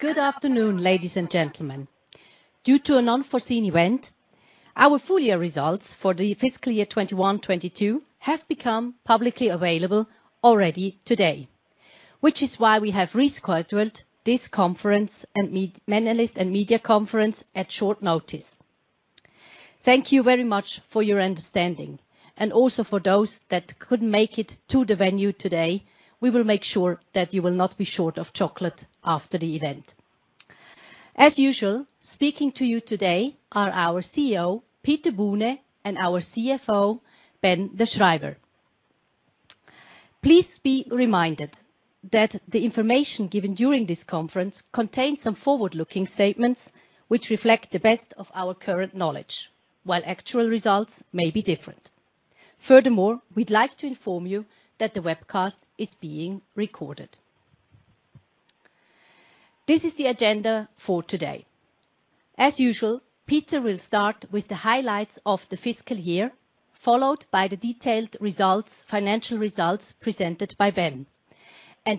Good afternoon, ladies and gentlemen. Due to an unforeseen event, our full year results for the fiscal year 2021-2022 have become publicly available already today, which is why we have rescheduled this conference, analyst and media conference at short notice. Thank you very much for your understanding, and also for those that couldn't make it to the venue today, we will make sure that you will not be short of chocolate after the event. As usual, speaking to you today are our CEO, Peter Boone, and our CFO, Ben De Schryver. Please be reminded that the information given during this conference contains some forward-looking statements which reflect the best of our current knowledge, while actual results may be different. Furthermore, we'd like to inform you that the webcast is being recorded. This is the agenda for today. As usual, Peter will start with the highlights of the fiscal year, followed by the detailed results, financial results presented by Ben.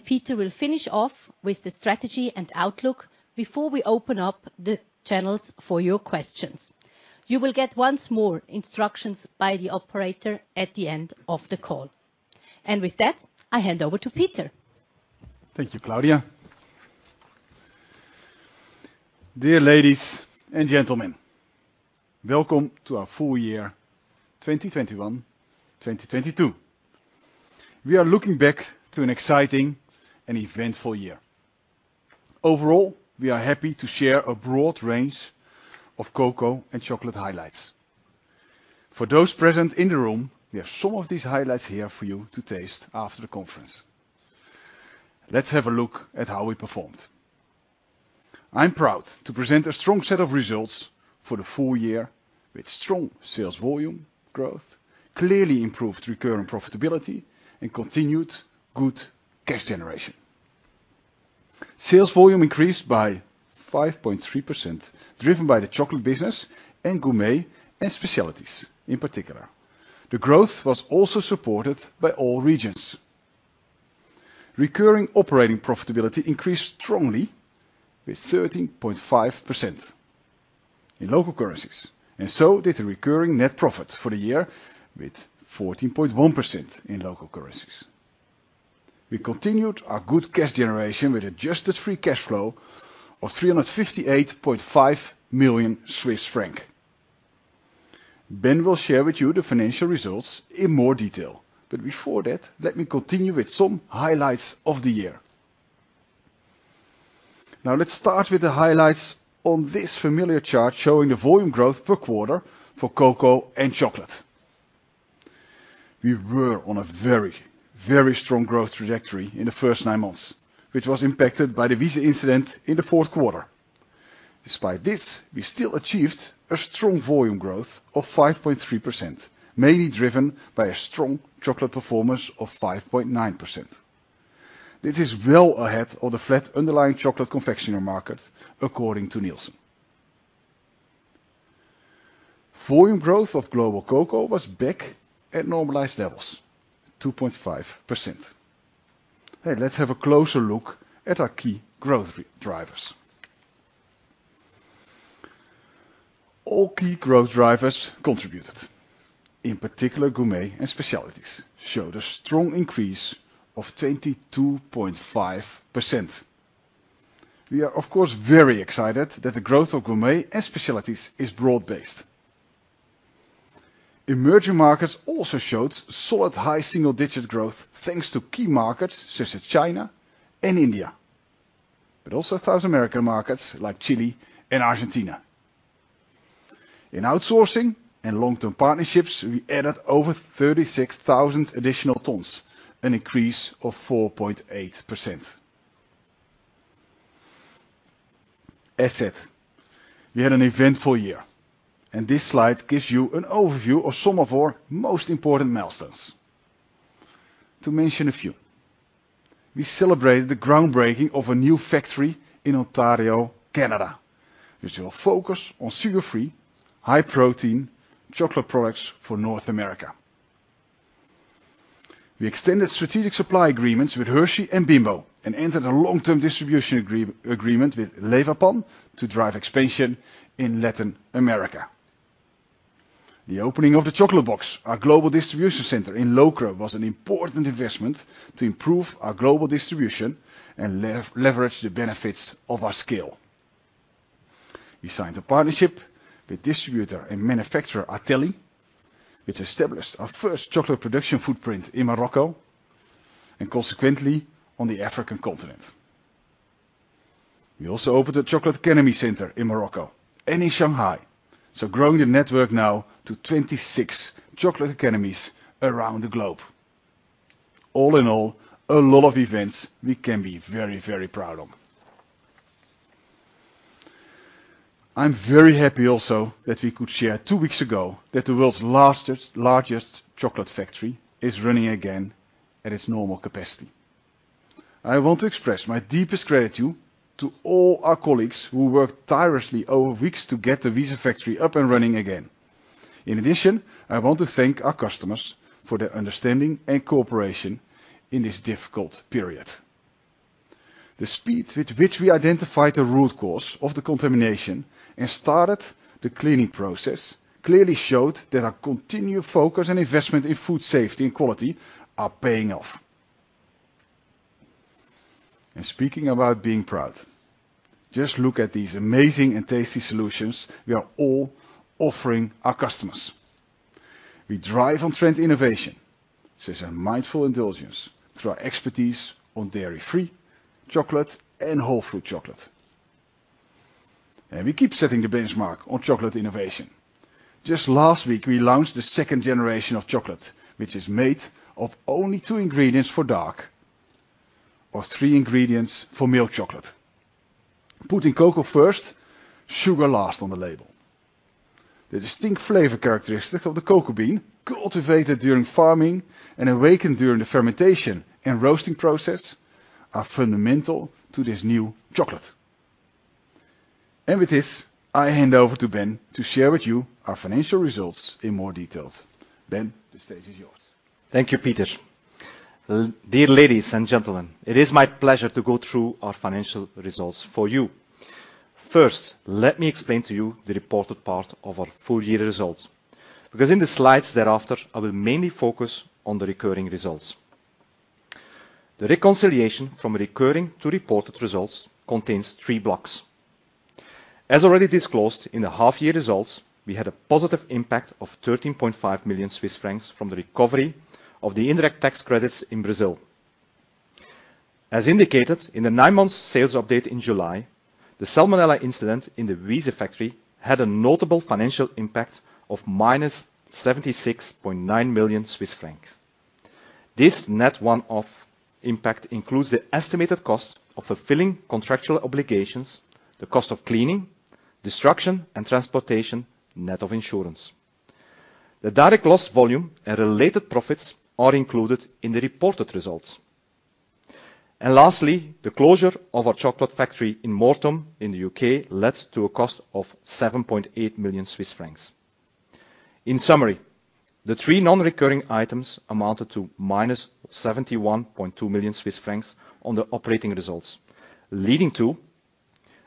Peter will finish off with the strategy and outlook before we open up the channels for your questions. You will get once more instructions by the operator at the end of the call. With that, I hand over to Peter. Thank you, Claudia. Dear ladies and gentlemen, welcome to our full year 2021/2022. We are looking back to an exciting and eventful year. Overall, we are happy to share a broad range of cocoa and chocolate highlights. For those present in the room, we have some of these highlights here for you to taste after the conference. Let's have a look at how we performed. I'm proud to present a strong set of results for the full year, with strong sales volume growth, clearly improved recurring profitability, and continued good cash generation. Sales volume increased by 5.3%, driven by the chocolate business and Gourmet & Specialties in particular. The growth was also supported by all regions. Recurring operating profitability increased strongly with 13.5% in local currencies, and so did the recurring net profit for the year with 14.1% in local currencies. We continued our good cash generation with adjusted free cash flow of 358.5 million Swiss franc. Ben will share with you the financial results in more detail, but before that, let me continue with some highlights of the year. Now, let's start with the highlights on this familiar chart showing the volume growth per quarter for cocoa and chocolate. We were on a very, very strong growth trajectory in the first nine months, which was impacted by the Wieze incident in the fourth quarter. Despite this, we still achieved a strong volume growth of 5.3%, mainly driven by a strong chocolate performance of 5.9%. This is well ahead of the flat underlying chocolate confectionery market, according to Nielsen. Volume growth of Global Cocoa was back at normalized levels, 2.5%. Let's have a closer look at our key growth drivers. All key growth drivers contributed. In particular, Gourmet & Specialties showed a strong increase of 22.5%. We are, of course, very excited that the growth of Gourmet & Specialties is broad-based. Emerging markets also showed solid high single-digit growth, thanks to key markets such as China and India, but also South American markets like Chile and Argentina. In outsourcing and long-term partnerships, we added over 36,000 additional tons, an increase of 4.8%. As said, we had an eventful year, and this slide gives you an overview of some of our most important milestones. To mention a few, we celebrated the groundbreaking of a new factory in Ontario, Canada, which will focus on sugar-free, high-protein chocolate products for North America. We extended strategic supply agreements with Hershey and Bimbo and entered a long-term distribution agreement with Levapan to drive expansion in Latin America. The opening of The Chocolate Box, our global distribution center in Lokeren, was an important investment to improve our global distribution and leverage the benefits of our scale. We signed a partnership with distributor and manufacturer Attelli, which established our first chocolate production footprint in Morocco and consequently on the African continent. We also opened a Chocolate Academy center in Morocco and in Shanghai, so growing the network now to 26 Chocolate Academies around the globe. All in all, a lot of events we can be very, very proud of. I'm very happy also that we could share two weeks ago that the world's largest chocolate factory is running again at its normal capacity. I want to express my deepest gratitude to all our colleagues who worked tirelessly over weeks to get the Wieze factory up and running again. In addition, I want to thank our customers for their understanding and cooperation in this difficult period. The speed with which we identified the root cause of the contamination and started the cleaning process clearly showed that our continued focus and investment in food safety and quality are paying off. Speaking about being proud, just look at these amazing and tasty solutions we are all offering our customers. We drive on trend innovation, such as mindful indulgence through our expertise on dairy-free chocolate and WholeFruit Chocolate. We keep setting the benchmark on chocolate innovation. Just last week, we launched the second generation of chocolate, which is made of only two ingredients for dark, or three ingredients for milk chocolate, putting cocoa first, sugar last on the label. The distinct flavor characteristics of the cocoa bean cultivated during farming and awakened during the fermentation and roasting process are fundamental to this new chocolate. With this, I hand over to Ben to share with you our financial results in more details. Ben, the stage is yours. Thank you, Peter. Ladies and gentlemen, it is my pleasure to go through our financial results for you. First, let me explain to you the reported part of our full year results, because in the slides thereafter, I will mainly focus on the recurring results. The reconciliation from recurring to reported results contains three blocks. As already disclosed in the half year results, we had a positive impact of 13.5 million Swiss francs from the recovery of the indirect tax credits in Brazil. As indicated in the nine-month sales update in July, the Salmonella incident in the Wieze factory had a notable financial impact of -76.9 million Swiss francs. This net one-off impact includes the estimated cost of fulfilling contractual obligations, the cost of cleaning, destruction, and transportation net of insurance. The direct loss volume and related profits are included in the reported results. Lastly, the closure of our chocolate factory in Moreton in the UK led to a cost of 7.8 million Swiss francs. In summary, the three non-recurring items amounted to -71.2 million Swiss francs on the operating results, leading to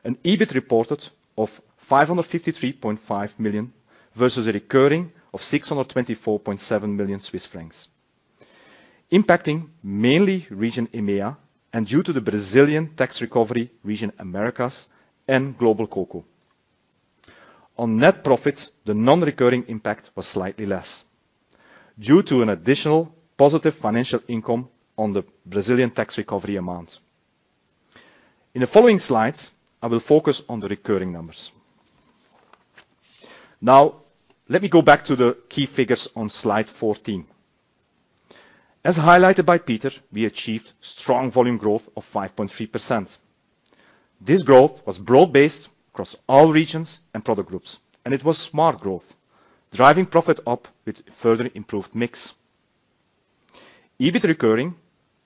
an EBIT reported of 553.5 million versus a recurring of 624.7 million Swiss francs, impacting mainly region EMEA and, due to the Brazilian tax recovery, region Americas and Global Cocoa. On net profits, the non-recurring impact was slightly less due to an additional positive financial income on the Brazilian tax recovery amount. In the following slides, I will focus on the recurring numbers. Now, let me go back to the key figures on slide 14. As highlighted by Peter, we achieved strong volume growth of 5.3%. This growth was broad-based across all regions and product groups, and it was smart growth, driving profit up with further improved mix. EBIT recurring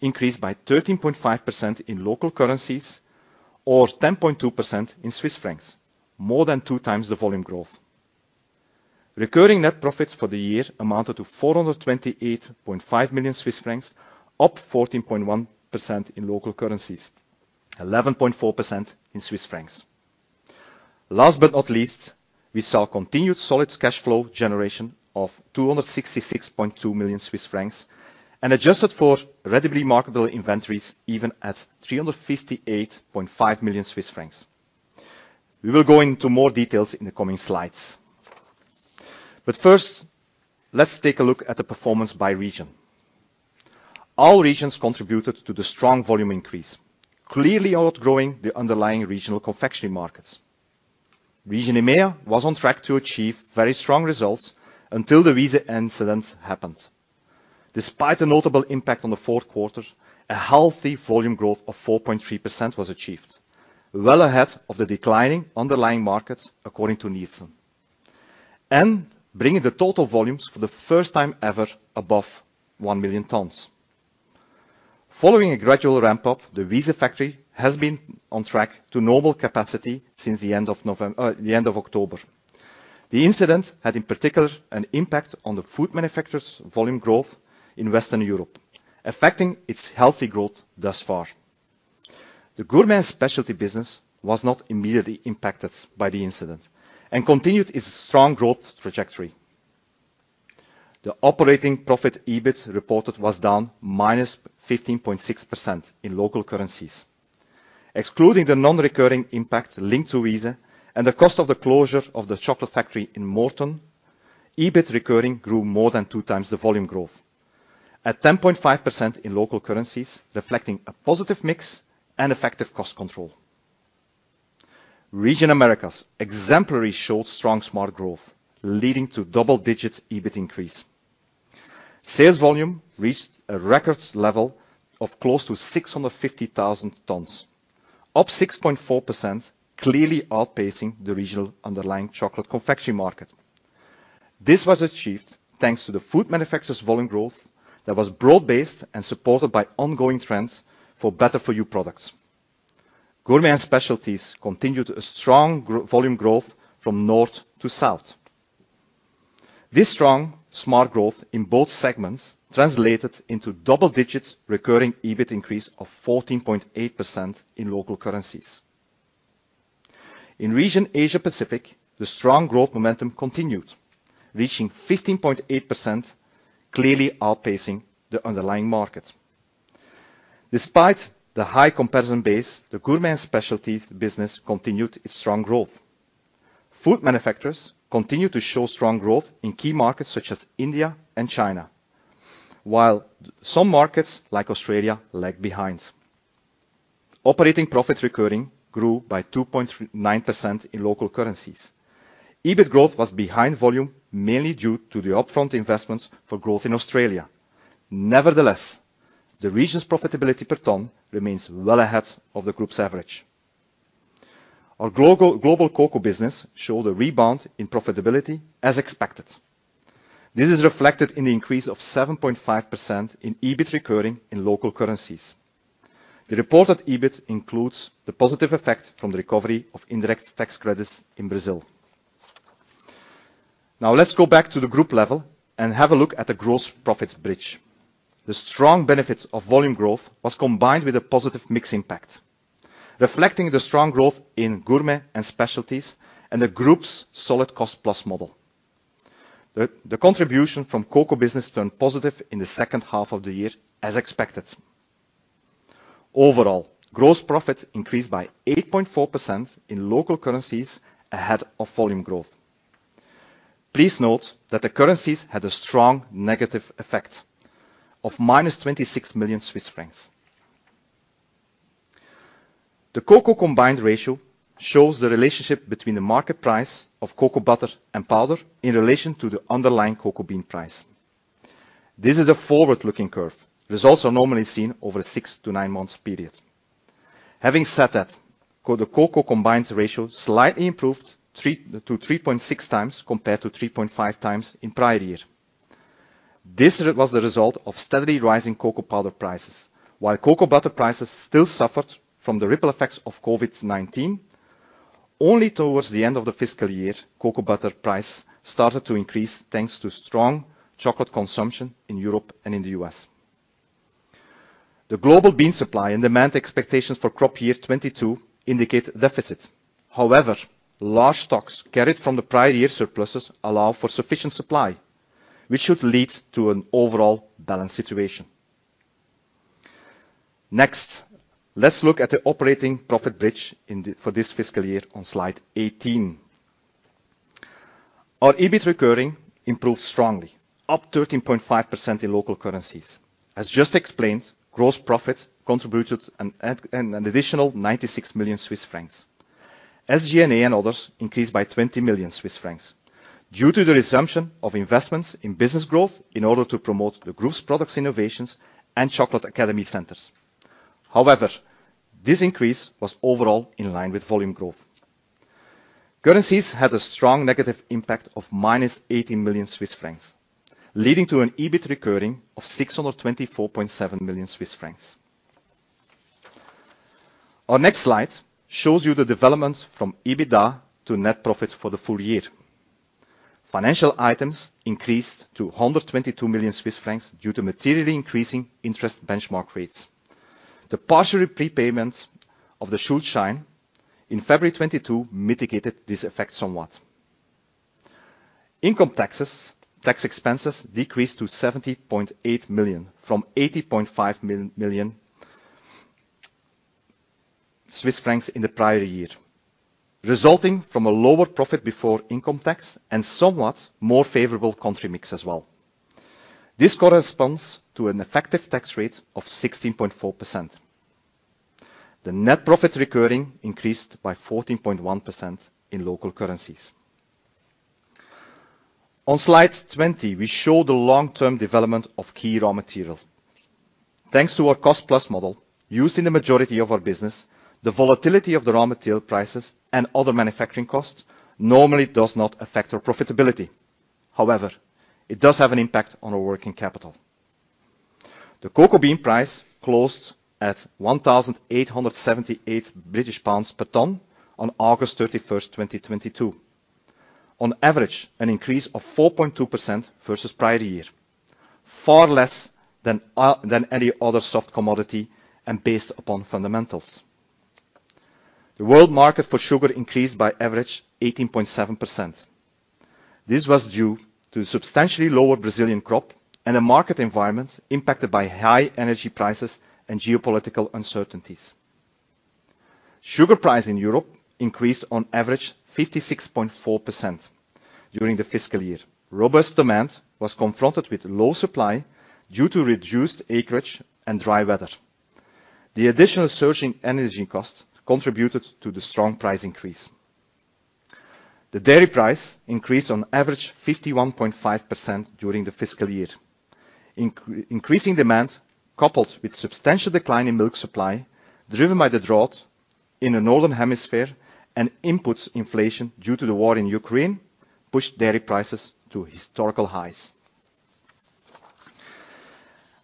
increased by 13.5% in local currencies or 10.2% in Swiss francs, more than two times the volume growth. Recurring net profits for the year amounted to 428.5 million Swiss francs, up 14.1% in local currencies, 11.4% in Swiss francs. Last but not least, we saw continued solid cash flow generation of 266.2 million Swiss francs, and adjusted for readily marketable inventories even at 358.5 million Swiss francs. We will go into more details in the coming slides. First, let's take a look at the performance by region. All regions contributed to the strong volume increase, clearly outgrowing the underlying regional confectionery markets. Region EMEA was on track to achieve very strong results until the Wieze incident happened. Despite a notable impact on the fourth quarter, a healthy volume growth of 4.3% was achieved, well ahead of the declining underlying markets according to Nielsen. Bringing the total volumes for the first time ever above 1 million tons. Following a gradual ramp up, the Wieze factory has been on track to normal capacity since the end of October. The incident had, in particular, an impact on the food manufacturer's volume growth in Western Europe, affecting its healthy growth thus far. The Gourmet and Specialties business was not immediately impacted by the incident and continued its strong growth trajectory. The operating profit EBIT reported was down -15.6% in local currencies. Excluding the non-recurring impact linked to Wieze and the cost of the closure of the chocolate factory in Moreton, EBIT recurring grew more than two times the volume growth. At 10.5% in local currencies, reflecting a positive mix and effective cost control. Region Americas exemplified strong smart growth, leading to double-digit EBIT increase. Sales volume reached a record level of close to 650,000 tons, up 6.4%, clearly outpacing the regional underlying chocolate confectionery market. This was achieved thanks to the food manufacturer's volume growth that was broad-based and supported by ongoing trends for better-for-you products. Gourmet & Specialties continued strong volume growth from north to south. This strong, smart growth in both segments translated into double digits recurring EBIT increase of 14.8% in local currencies. In region Asia Pacific, the strong growth momentum continued, reaching 15.8%, clearly outpacing the underlying market. Despite the high comparison base, the Gourmet & Specialties business continued its strong growth. Food manufacturers continued to show strong growth in key markets such as India and China, while some markets, like Australia, lagged behind. Operating profit recurring grew by 2.9% in local currencies. EBIT growth was behind volume, mainly due to the upfront investments for growth in Australia. Nevertheless, the region's profitability per ton remains well ahead of the group's average. Our global cocoa business showed a rebound in profitability as expected. This is reflected in the increase of 7.5% in EBIT recurring in local currencies. The reported EBIT includes the positive effect from the recovery of indirect tax credits in Brazil. Now let's go back to the group level and have a look at the gross profit bridge. The strong benefits of volume growth was combined with a positive mix impact, reflecting the strong growth in Gourmet & Specialties and the group's solid cost-plus model. The contribution from cocoa business turned positive in the second half of the year as expected. Overall, gross profit increased by 8.4% in local currencies ahead of volume growth. Please note that the currencies had a strong negative effect of CHF -26 million. The cocoa combined ratio shows the relationship between the market price of cocoa butter and powder in relation to the underlying cocoa bean price. This is a forward-looking curve. Results are normally seen over a 6-9-month period. Having said that, the cocoa combined ratio slightly improved 3-3.6 times compared to 3.5 times in prior year. This was the result of steadily rising cocoa powder prices. While cocoa butter prices still suffered from the ripple effects of COVID-19, only towards the end of the fiscal year, cocoa butter price started to increase thanks to strong chocolate consumption in Europe and in the US. The global bean supply and demand expectations for crop year 2022 indicate deficit. However, large stocks carried from the prior year surpluses allow for sufficient supply, which should lead to an overall balanced situation. Next, let's look at the operating profit bridge for this fiscal year on slide 18. Our EBIT recurring improved strongly, up 13.5% in local currencies. As just explained, gross profit contributed an additional 96 million Swiss francs. SG&A and others increased by 20 million Swiss francs due to the resumption of investments in business growth in order to promote the group's products innovations and Chocolate Academy centers. However, this increase was overall in line with volume growth. Currencies had a strong negative impact of -80 million Swiss francs, leading to an EBIT recurring of 624.7 million Swiss francs. Our next slide shows you the development from EBITDA to net profit for the full year. Financial items increased to 122 million Swiss francs due to materially increasing interest benchmark rates. The partial prepayment of the Schuldschein in February 2022 mitigated this effect somewhat. Income taxes, tax expenses decreased to 70.8 million from 80.5 million Swiss francs in the prior year, resulting from a lower profit before income tax and somewhat more favorable country mix as well. This corresponds to an effective tax rate of 16.4%. The net profit recurring increased by 14.1% in local currencies. On slide 20, we show the long-term development of key raw material. Thanks to our cost-plus model used in the majority of our business, the volatility of the raw material prices and other manufacturing costs normally does not affect our profitability. However, it does have an impact on our working capital. The cocoa bean price closed at 1,878 British pounds per ton on August 31, 2022. On average, an increase of 4.2% versus prior year, far less than any other soft commodity and based upon fundamentals. The world market for sugar increased on average 18.7%. This was due to substantially lower Brazilian crop and a market environment impacted by high energy prices and geopolitical uncertainties. Sugar price in Europe increased on average 56.4% during the fiscal year. Robust demand was confronted with low supply due to reduced acreage and dry weather. The additional surging energy costs contributed to the strong price increase. The dairy price increased on average 51.5% during the fiscal year. Increasing demand coupled with substantial decline in milk supply, driven by the drought in the Northern Hemisphere and inputs inflation due to the war in Ukraine, pushed dairy prices to historical highs.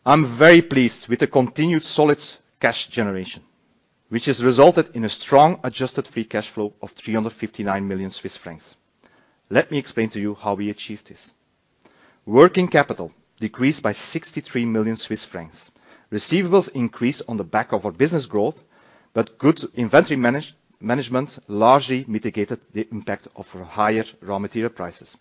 I'm very pleased with the continued solid cash generation, which has resulted in a strong adjusted free cash flow of 359 million Swiss francs. Let me explain to you how we achieved this. Working capital decreased by 63 million Swiss francs. Receivables increased on the back of our business growth, but good inventory management largely mitigated the impact of higher raw material prices.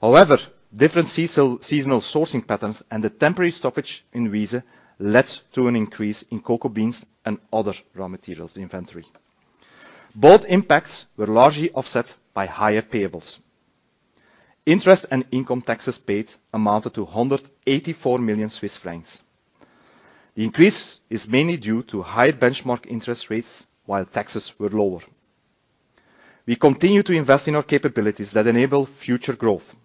However, different seasonal sourcing patterns and the temporary stoppage in Wieze led to an increase in cocoa beans and other raw materials inventory. Both impacts were largely offset by higher payables. Interest and income taxes paid amounted to 184 million Swiss francs. The increase is mainly due to high benchmark interest rates while taxes were lower. We continue to invest in our capabilities that enable future growth,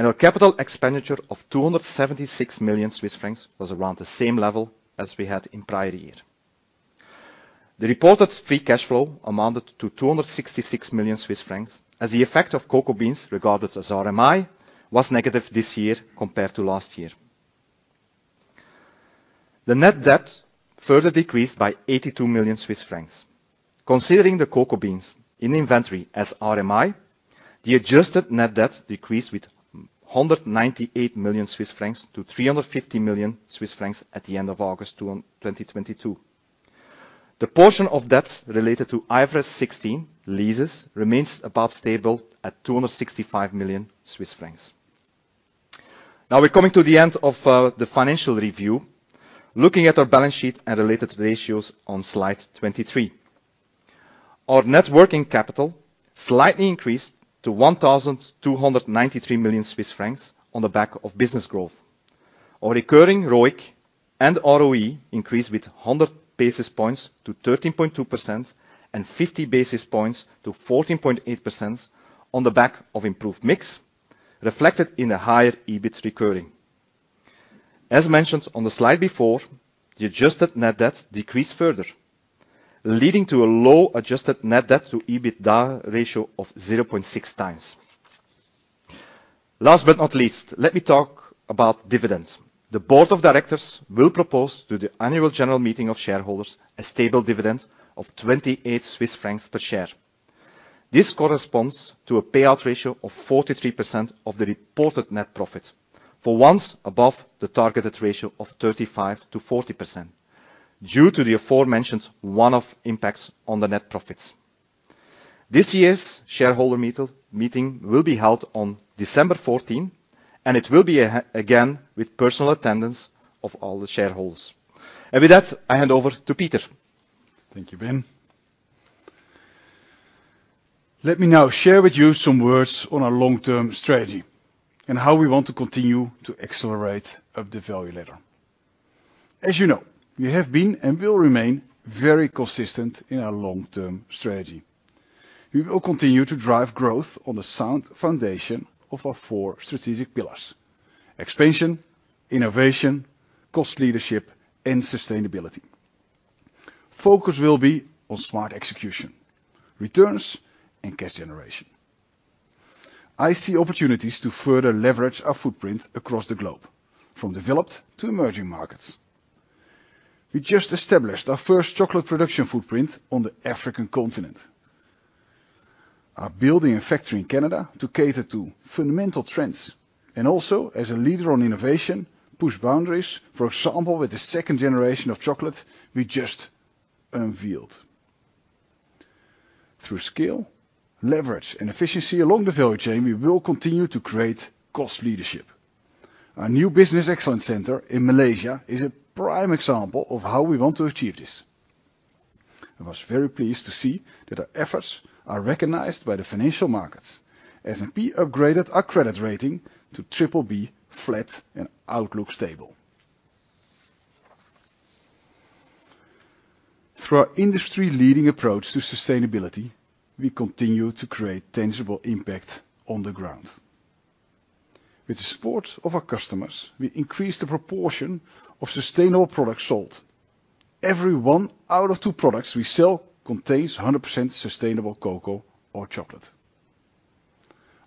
and our capital expenditure of 276 million Swiss francs was around the same level as we had in prior year. The reported free cash flow amounted to 266 million Swiss francs as the effect of cocoa beans regarded as RMI, was negative this year compared to last year. The net debt further decreased by 82 million Swiss francs. Considering the cocoa beans in inventory as RMI, the adjusted net debt decreased with 198 million Swiss francs to 350 million Swiss francs at the end of August 2022. The portion of debts related to IFRS 16 leases remains about stable at 265 million Swiss francs. Now we're coming to the end of the financial review. Looking at our balance sheet and related ratios on slide 23. Our net working capital slightly increased to 1,293 million Swiss francs on the back of business growth. Our recurring ROIC and ROE increased by 100 basis points to 13.2% and 50 basis points to 14.8% on the back of improved mix, reflected in a higher EBIT recurring. As mentioned on the slide before, the adjusted net debt decreased further, leading to a low adjusted net debt to EBITDA ratio of 0.6x. Last but not least, let me talk about dividends. The board of directors will propose to the annual general meeting of shareholders a stable dividend of 28 Swiss francs per share. This corresponds to a payout ratio of 43% of the reported net profit, for once above the targeted ratio of 35%-40% due to the aforementioned one-off impacts on the net profits. This year's shareholder meeting will be held on December fourteenth, and it will be again with personal attendance of all the shareholders. With that, I hand over to Peter. Thank you, Ben. Let me now share with you some words on our long-term strategy and how we want to continue to accelerate up the value ladder. As you know, we have been and will remain very consistent in our long-term strategy. We will continue to drive growth on the sound foundation of our four strategic pillars. Expansion, innovation, cost leadership, and sustainability. Focus will be on smart execution, returns, and cash generation. I see opportunities to further leverage our footprint across the globe from developed to emerging markets. We just established our first chocolate production footprint on the African continent. Our building and factory in Canada to cater to fundamental trends and also as a leader on innovation, push boundaries, for example, with the second generation of chocolate we just unveiled. Through scale, leverage, and efficiency along the value chain, we will continue to create cost leadership. Our new business excellence center in Malaysia is a prime example of how we want to achieve this. I was very pleased to see that our efforts are recognized by the financial markets. S&P upgraded our credit rating to BBB- and outlook stable. Through our industry-leading approach to sustainability, we continue to create tangible impact on the ground. With the support of our customers, we increase the proportion of sustainable products sold. Every one out of two products we sell contains 100% sustainable cocoa or chocolate.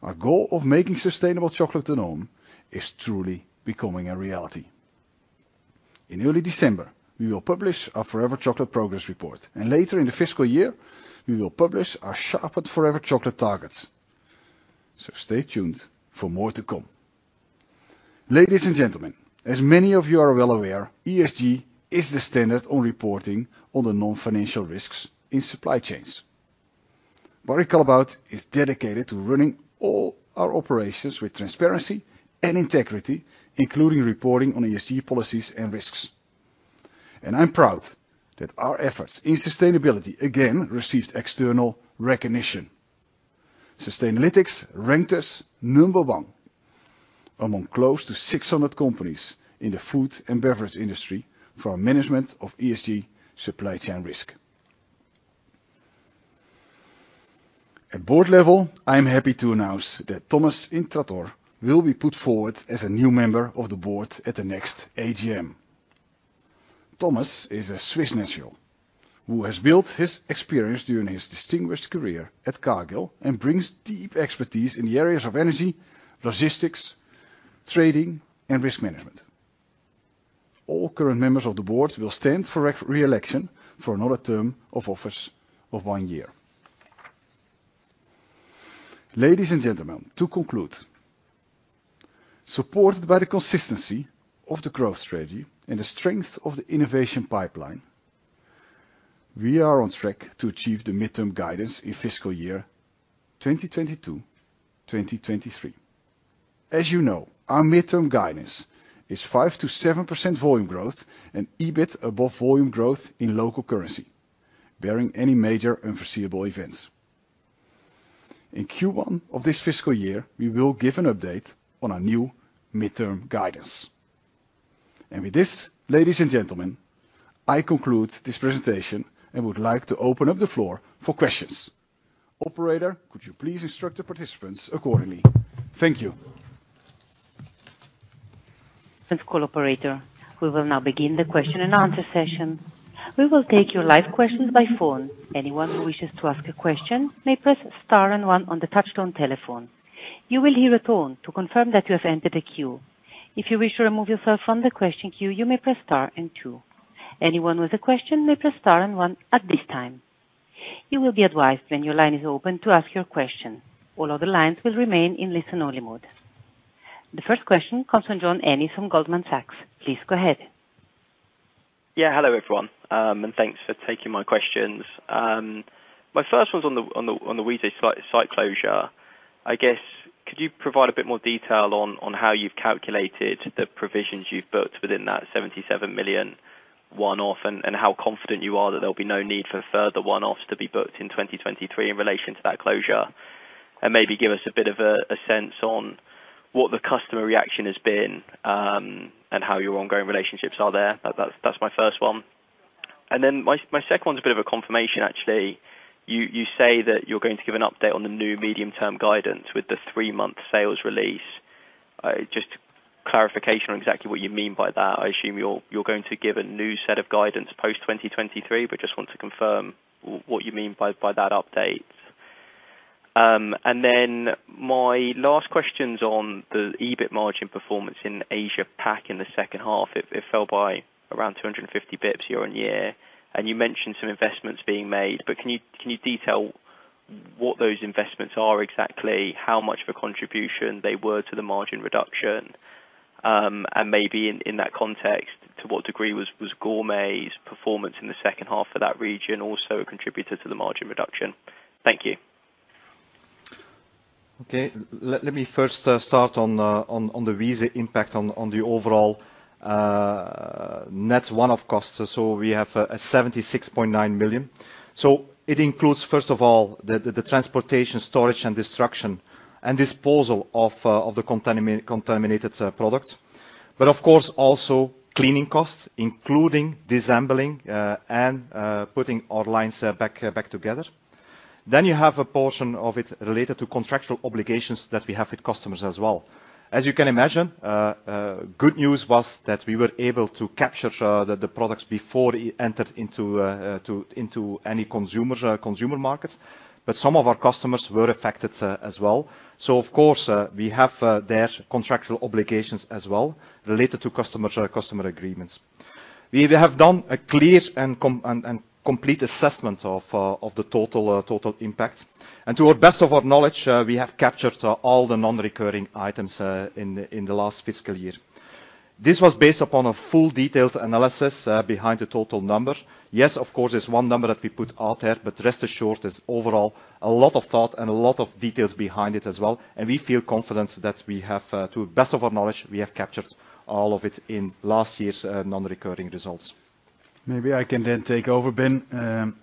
Our goal of making sustainable chocolate the norm is truly becoming a reality. In early December, we will publish our Forever Chocolate progress report, and later in the fiscal year, we will publish our sharpened Forever Chocolate targets. Stay tuned for more to come. Ladies and gentlemen, as many of you are well aware, ESG is the standard on reporting on the non-financial risks in supply chains. Barry Callebaut is dedicated to running all our operations with transparency and integrity, including reporting on ESG policies and risks. I'm proud that our efforts in sustainability again received external recognition. Sustainalytics ranked us number one among close to 600 companies in the food and beverage industry for our management of ESG supply chain risk. At board level, I am happy to announce that Thomas Intrator will be put forward as a new member of the board at the next AGM. Thomas is a Swiss national who has built his experience during his distinguished career at Cargill and brings deep expertise in the areas of energy, logistics, trading and risk management. All current members of the board will stand for re-election for another term of office of one year. Ladies and gentlemen, to conclude, supported by the consistency of the growth strategy and the strength of the innovation pipeline, we are on track to achieve the midterm guidance in fiscal year 2022/2023. As you know, our midterm guidance is 5%-7% volume growth and EBIT above volume growth in local currency, barring any major unforeseeable events. In Q1 of this fiscal year, we will give an update on our new midterm guidance. With this, ladies and gentlemen, I conclude this presentation and would like to open up the floor for questions. Operator, could you please instruct the participants accordingly? Thank you. Call operator. We will now begin the question and answer session. We will take your live questions by phone. Anyone who wishes to ask a question may press star and one on the touchtone telephone. You will hear a tone to confirm that you have entered a queue. If you wish to remove yourself from the question queue, you may press star and two. Anyone with a question may press star and one at this time. You will be advised when your line is open to ask your question. All other lines will remain in listen only mode. The first question comes from John Ennis from Goldman Sachs. Please go ahead. Hello, everyone, and thanks for taking my questions. My first one's on the Wieze site closure. I guess could you provide a bit more detail on how you've calculated the provisions you've booked within that 77 million one-off and how confident you are that there'll be no need for further one-offs to be booked in 2023 in relation to that closure? Maybe give us a bit of a sense on what the customer reaction has been and how your ongoing relationships are there. That's my first one. My second one's a bit of a confirmation, actually. You say that you're going to give an update on the new medium-term guidance with the three-month sales release. Just clarification on exactly what you mean by that. I assume you're going to give a new set of guidance post 2023, but just want to confirm what you mean by that update. My last question's on the EBIT margin performance in APAC in the second half. It fell by around 250 basis points year-on-year. You mentioned some investments being made, but can you detail what those investments are exactly, how much of a contribution they were to the margin reduction? Maybe in that context, to what degree was Gourmet's performance in the second half of that region also a contributor to the margin reduction? Thank you. Let me first start on the Wieze impact on the overall net one-off cost. We have a 76.9 million. It includes, first of all, the transportation, storage and destruction and disposal of the contaminated product. Of course also cleaning costs, including disassembling and putting our lines back together. You have a portion of it related to contractual obligations that we have with customers as well. As you can imagine, good news was that we were able to capture the products before it entered into any consumer markets. Some of our customers were affected as well. Of course, we have their contractual obligations as well related to customer agreements. We have done a clear and complete assessment of the total impact. To the best of our knowledge, we have captured all the non-recurring items in the last fiscal year. This was based upon a full detailed analysis behind the total number. Yes, of course, it's one number that we put out there, but rest assured there's overall a lot of thought and a lot of details behind it as well, and we feel confident that, to the best of our knowledge, we have captured all of it in last year's non-recurring results. Maybe I can take over, Ben,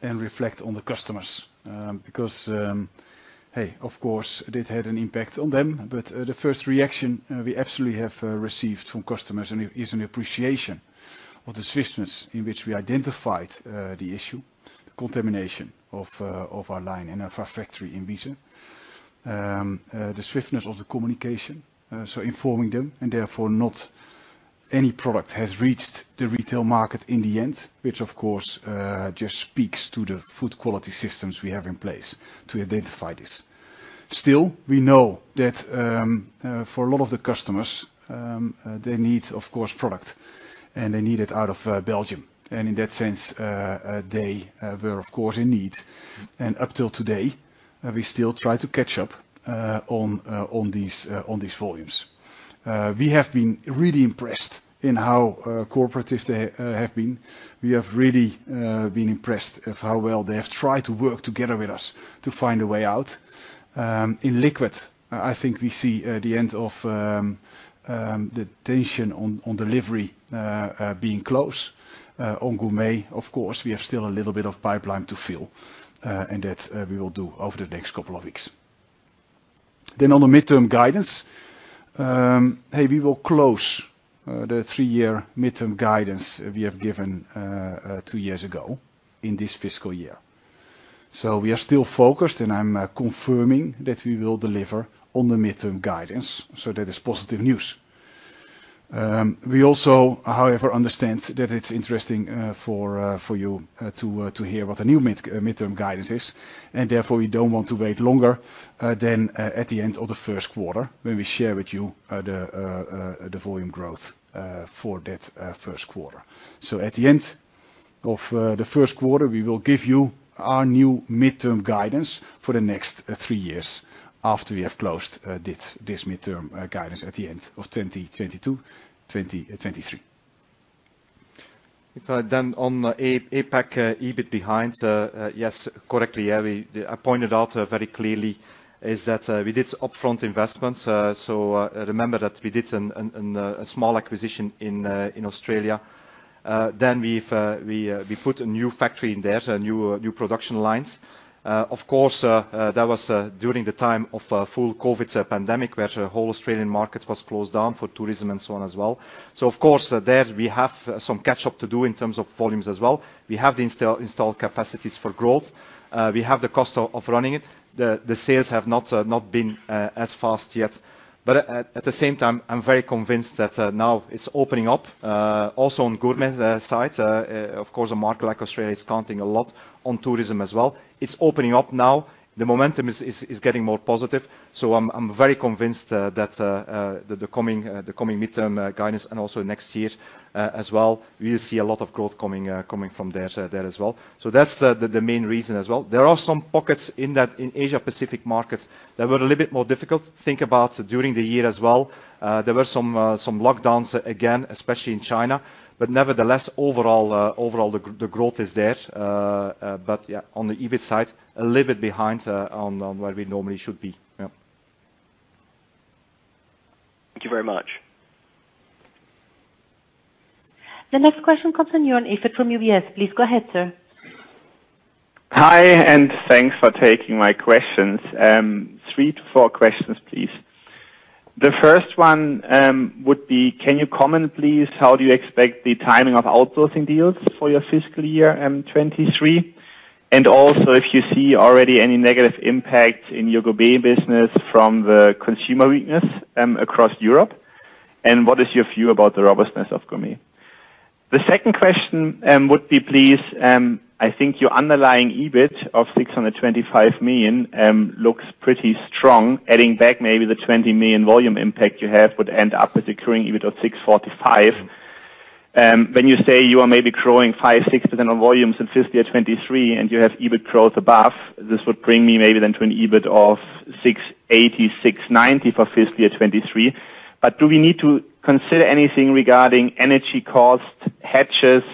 and reflect on the customers. Because of course it had an impact on them, but the first reaction we absolutely have received from customers is an appreciation of the swiftness in which we identified the issue, the contamination of our line in our factory in Wieze. The swiftness of the communication, so informing them and therefore not any product has reached the retail market in the end, which of course just speaks to the food quality systems we have in place to identify this. Still, we know that for a lot of the customers they need of course product, and they need it out of Belgium. In that sense they were of course in need. Up till today we still try to catch up on these volumes. We have been really impressed in how cooperative they have been. We have really been impressed of how well they have tried to work together with us to find a way out. In liquids, I think we see the end of the tension on delivery being close. On gourmet, of course, we have still a little bit of pipeline to fill, and that we will do over the next couple of weeks. On the midterm guidance, hey, we will close the three-year midterm guidance we have given two years ago in this fiscal year. We are still focused, and I'm confirming that we will deliver on the midterm guidance. That is positive news. We also, however, understand that it's interesting for you to hear what the new mid-term guidance is, and therefore, we don't want to wait longer than at the end of the first quarter when we share with you the volume growth for that first quarter. At the end of the first quarter, we will give you our new mid-term guidance for the next three years after we have closed this mid-term guidance at the end of 2022, 2023. If I then on APAC, EBIT behind, yes, correctly. I pointed out very clearly is that we did upfront investments. Remember that we did a small acquisition in Australia. We put a new factory in there, a new production lines. Of course, that was during the time of full COVID pandemic, where the whole Australian market was closed down for tourism and so on as well. Of course, there we have some catch-up to do in terms of volumes as well. We have the installed capacities for growth. We have the cost of running it. The sales have not been as fast yet. At the same time, I'm very convinced that now it's opening up also on gourmet side. Of course, a market like Australia is counting a lot on tourism as well. It's opening up now. The momentum is getting more positive. I'm very convinced that the coming midterm guidance and also next year as well, we'll see a lot of growth coming from there as well. That's the main reason as well. There are some pockets in that in Asia Pacific markets that were a little bit more difficult. Think about during the year as well, there were some lockdowns, again, especially in China. Nevertheless, overall the growth is there. Yeah, on the EBIT side, a little bit behind on where we normally should be. Yeah. Thank you very much. The next question comes from Joern Iffert from UBS. Please go ahead, sir. Hi, thanks for taking my questions. 3-4 questions, please. The first one would be, can you comment, please, how do you expect the timing of outsourcing deals for your fiscal year 2023? And also if you see already any negative impact in your gourmet business from the consumer weakness across Europe, and what is your view about the robustness of gourmet? The second question would be, please, I think your underlying EBIT of 625 million looks pretty strong. Adding back maybe the 20 million volume impact you have would end up with occurring EBIT of 645. When you say you are maybe growing 5%-6% on volumes in fiscal year 2023 and you have EBIT growth above, this would bring me maybe then to an EBIT of 680-690 for fiscal year 2023. Do we need to consider anything regarding energy cost, hedges,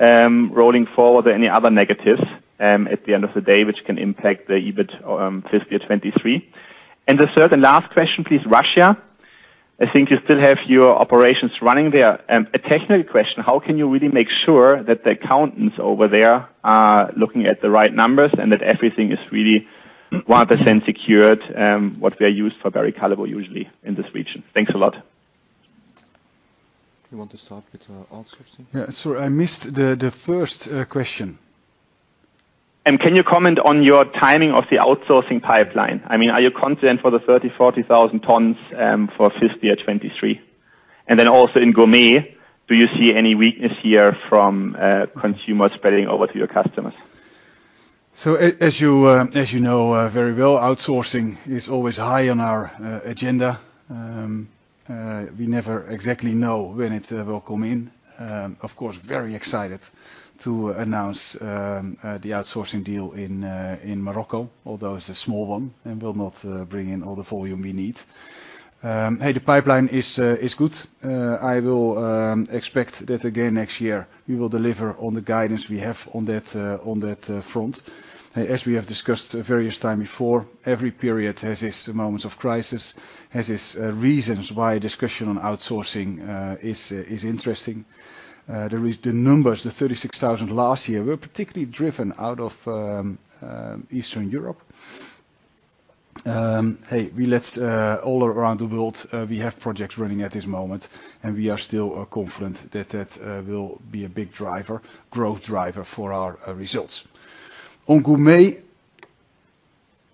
rolling forward or any other negatives, at the end of the day which can impact the EBIT or fiscal year 2023? The third and last question, please. Russia, I think you still have your operations running there. A technical question, how can you really make sure that the accountants over there are looking at the right numbers and that everything is really 100% secured, what we are used for Barry Callebaut usually in this region? Thanks a lot. You want to start with, outsourcing? Yeah, sorry, I missed the first question. Can you comment on your timing of the outsourcing pipeline? I mean, are you confident for the 30,000-40,000 tons for fiscal year 2023? Then also in Gourmet, do you see any weakness here from consumers spreading over to your customers? As you know very well, outsourcing is always high on our agenda. We never exactly know when it will come in. Of course, very excited to announce the outsourcing deal in Morocco, although it's a small one and will not bring in all the volume we need. Hey, the pipeline is good. I will expect that again next year we will deliver on the guidance we have on that front. As we have discussed various times before, every period has its moments of crisis, has its reasons why discussion on outsourcing is interesting. The numbers, the 36,000 last year were particularly driven out of Eastern Europe. We all around the world have projects running at this moment, and we are still confident that will be a big driver, growth driver for our results. On Gourmet,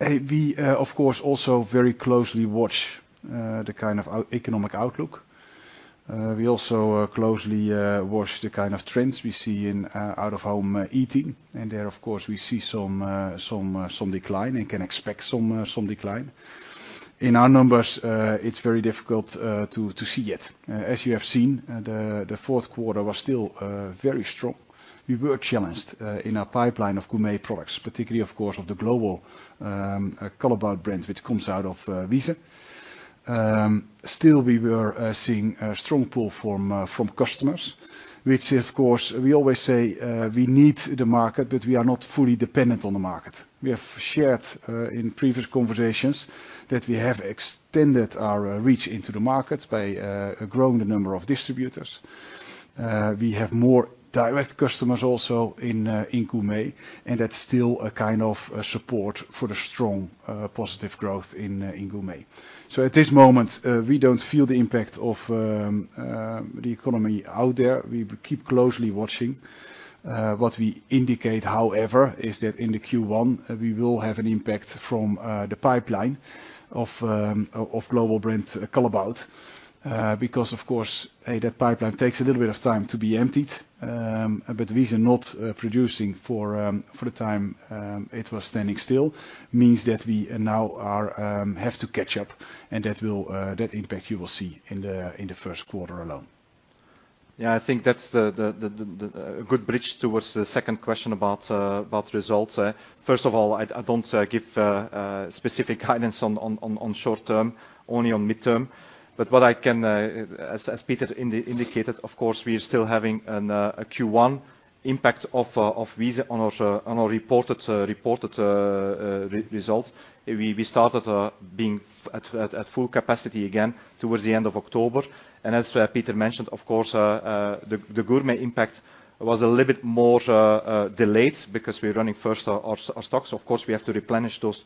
we of course also very closely watch the kind of economic outlook. We also closely watch the kind of trends we see in out-of-home eating. There, of course, we see some decline and can expect some decline. In our numbers, it's very difficult to see yet. As you have seen, the fourth quarter was still very strong. We were challenged in our pipeline of Gourmet products, particularly of course the global Callebaut brand, which comes out of Wieze. Still we were seeing a strong pull from customers, which of course, we always say, we need the market, but we are not fully dependent on the market. We have shared in previous conversations that we have extended our reach into the market by growing the number of distributors. We have more direct customers also in gourmet, and that's still a kind of support for the strong positive growth in gourmet. At this moment, we don't feel the impact of the economy out there. We keep closely watching. What we indicate, however, is that in the Q1, we will have an impact from the pipeline of Global Brand Callebaut. Because of course, that pipeline takes a little bit of time to be emptied. We are not producing for the time it was standing still. Means that we now have to catch up, and that impact you will see in the first quarter alone. Yeah, I think that's a good bridge towards the second question about results. First of all, I don't give specific guidance on short-term, only on midterm. What I can, as Peter indicated, of course, we are still having a Q1 impact of Wieze on our reported results. We started being at full capacity again towards the end of October. As Peter mentioned, of course, the Gourmet impact was a little bit more delayed because we're running first our stocks. Of course, we have to replenish those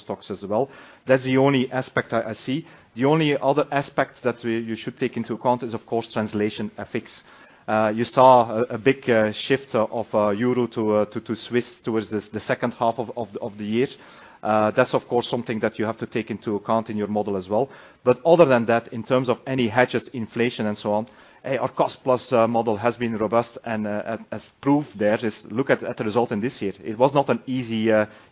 stocks as well. That's the only aspect I see. The only other aspect that you should take into account is, of course, translation effects. You saw a big shift of euro to Swiss towards the second half of the year. That's of course something that you have to take into account in your model as well. Other than that, in terms of any hedges, inflation and so on, our cost-plus model has been robust. As proof, look at the result in this year. It was not an easy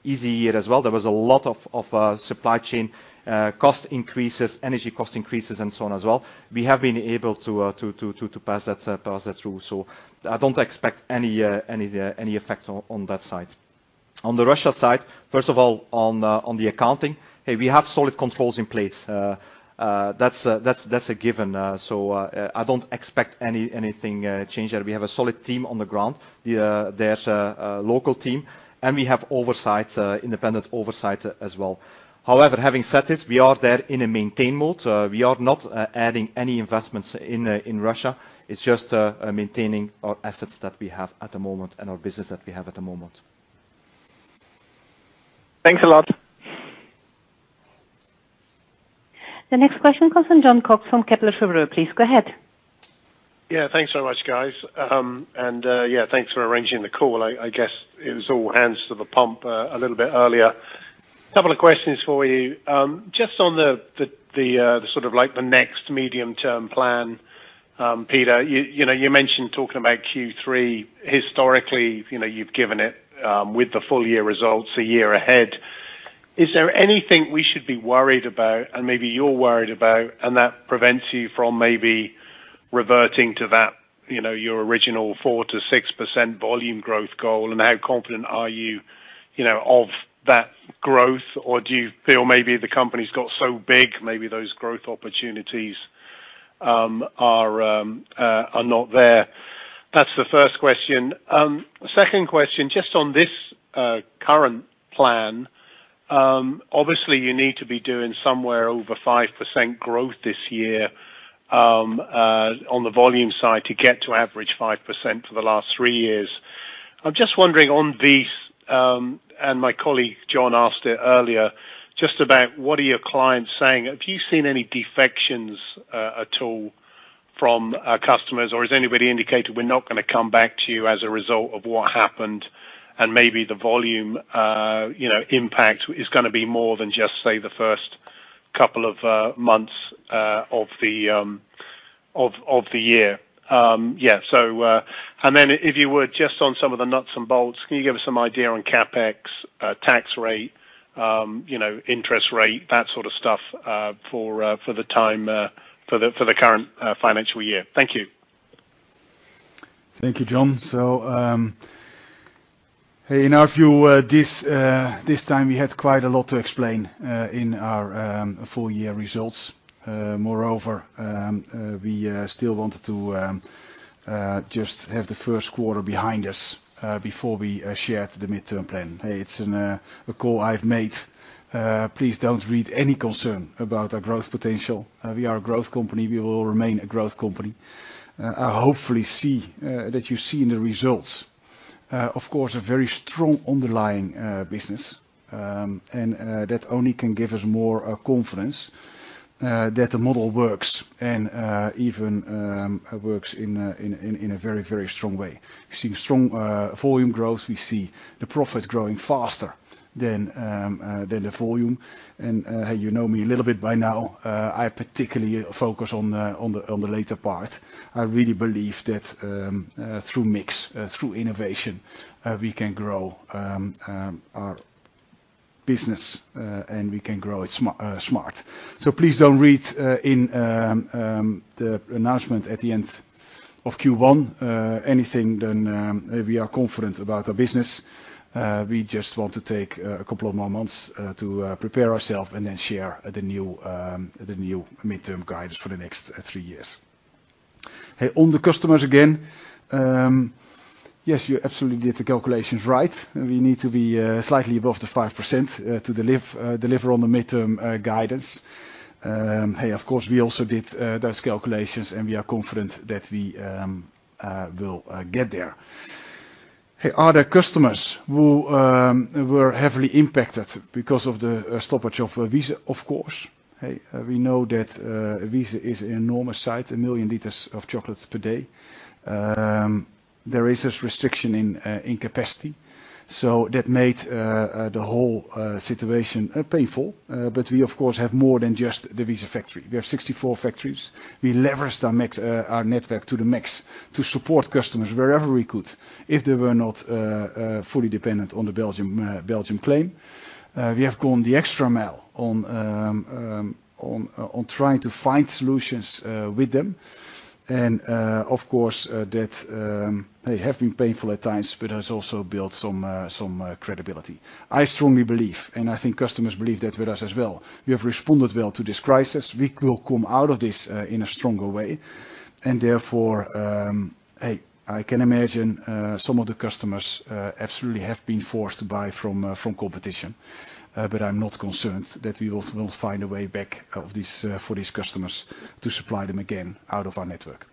year as well. There was a lot of supply chain cost increases, energy cost increases and so on as well. We have been able to pass that through. I don't expect any effect on that side. On the Russia side, first of all, on the accounting, we have solid controls in place. That's a given. I don't expect any change there. We have a solid team on the ground, their local team, and we have oversight, independent oversight as well. However, having said this, we are there in a maintenance mode. We are not adding any investments in Russia. It's just maintaining our assets that we have at the moment and our business that we have at the moment. Thanks a lot. The next question comes from Jon Cox from Kepler Cheuvreux. Please go ahead. Yeah. Thanks so much, guys. Yeah, thanks for arranging the call. I guess it was all hands to the pump a little bit earlier. Couple of questions for you. Just on the sort of like the next medium-term plan, Peter, you know, you mentioned talking about Q3 historically, you know, you've given it with the full year results a year ahead. Is there anything we should be worried about and maybe you're worried about and that prevents you from maybe reverting to that, you know, your original 4%-6% volume growth goal? And how confident are you know, of that growth, or do you feel maybe the company's got so big, maybe those growth opportunities are not there? That's the first question. Second question, just on this current plan, obviously you need to be doing somewhere over 5% growth this year on the volume side to get to average 5% for the last three years. I'm just wondering on these, and my colleague John asked it earlier, just about what are your clients saying? Have you seen any defections at all from customers, or has anybody indicated, we're not gonna come back to you as a result of what happened and maybe the volume, you know, impact is gonna be more than just, say, the first couple of months of the year. If you would, just on some of the nuts and bolts, can you give us some idea on CapEx, tax rate, you know, interest rate, that sort of stuff, for the current financial year? Thank you. Thank you, Jon. Hey, in our view, this time we had quite a lot to explain in our full year results. Moreover, we still wanted to just have the first quarter behind us before we shared the midterm plan. Hey, it's a call I've made. Please don't read any concern about our growth potential. We are a growth company. We will remain a growth company. Hopefully you see that you see in the results, of course, a very strong underlying business. That only can give us more confidence that the model works and even works in a very strong way. We're seeing strong volume growth. We see the profit growing faster than the volume. You know me a little bit by now. I particularly focus on the later part. I really believe that through mix, through innovation we can grow our business and we can grow it smart. Please don't read in the announcement at the end of Q1 anything other than we are confident about our business. We just want to take a couple of more months to prepare ourselves and then share the new midterm guidance for the next three years. Hey, on the customers again, yes, you absolutely did the calculations right. We need to be slightly above the 5% to deliver on the midterm guidance. Of course, we also did those calculations, and we are confident that we will get there. Are there customers who were heavily impacted because of the stoppage of Wieze? Of course. We know that Wieze is an enormous site, a million liters of chocolates per day. There is this restriction in capacity, so that made the whole situation painful. We of course have more than just the Wieze factory. We have 64 factories. We leveraged our network to the max to support customers wherever we could, if they were not fully dependent on the Belgian plant. We have gone the extra mile on trying to find solutions with them. Of course, that they have been painful at times, but has also built some credibility. I strongly believe, and I think customers believe that with us as well, we have responded well to this crisis. We will come out of this in a stronger way. Therefore, hey, I can imagine some of the customers absolutely have been forced to buy from competition. But I'm not concerned that we will find a way back of these for these customers to supply them again out of our network.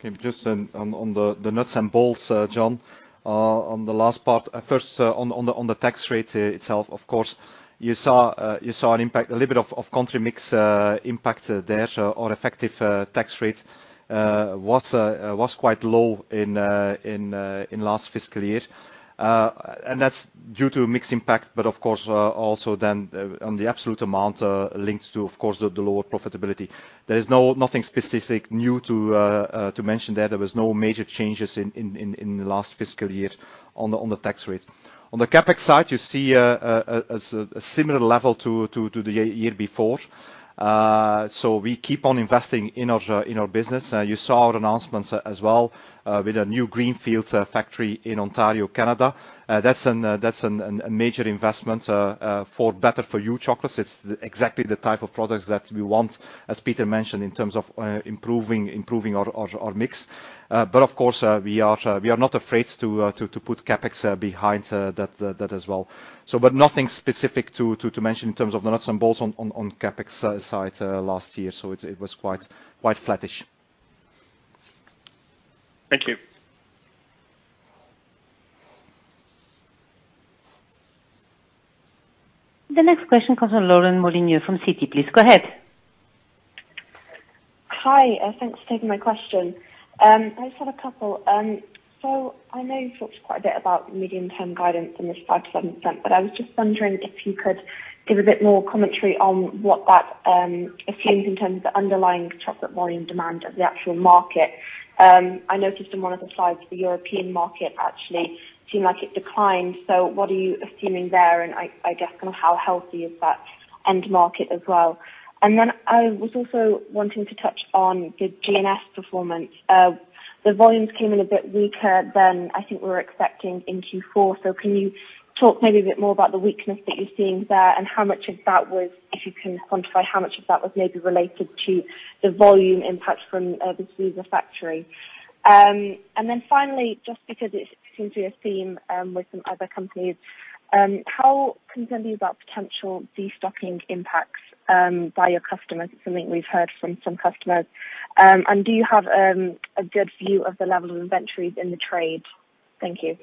Okay. Just on the nuts and bolts, Jon, on the last part. First, on the tax rate itself, of course, you saw an impact, a little bit of country mix impact there, our effective tax rate was quite low in last fiscal year. That's due to mix impact, but of course, also then on the absolute amount linked to, of course, the lower profitability. There is nothing specific new to mention there. There was no major changes in the last fiscal year on the tax rate. On the CapEx side, you see a similar level to the year before. We keep on investing in our business. You saw our announcements as well, with a new greenfield factory in Ontario, Canada. That's a major investment for better for you chocolates. It's exactly the type of products that we want, as Peter mentioned, in terms of improving our mix. Of course, we are not afraid to put CapEx behind that as well. Nothing specific to mention in terms of the nuts and bolts on CapEx side last year. It was quite flattish. Thank you. The next question comes from Lauren Molyneux from Citi. Please go ahead. Hi, thanks for taking my question. I just had a couple. I know you've talked quite a bit about medium term guidance and this 5%-7%, but I was just wondering if you could give a bit more commentary on what that assumes in terms of underlying chocolate volume demand of the actual market. I noticed on one of the slides, the European market actually seemed like it declined. What are you assuming there? I guess kind of how healthy is that end market as well? I was also wanting to touch on the G&S performance. The volumes came in a bit weaker than I think we were expecting in Q4. Can you talk maybe a bit more about the weakness that you're seeing there and how much of that was, if you can quantify, how much of that was maybe related to the volume impact from this Wieze factory? Finally, just because it seems to be a theme with some other companies, how concerned are you about potential destocking impacts by your customers? It's something we've heard from some customers. Do you have a good view of the level of inventories in the trade? Thank you.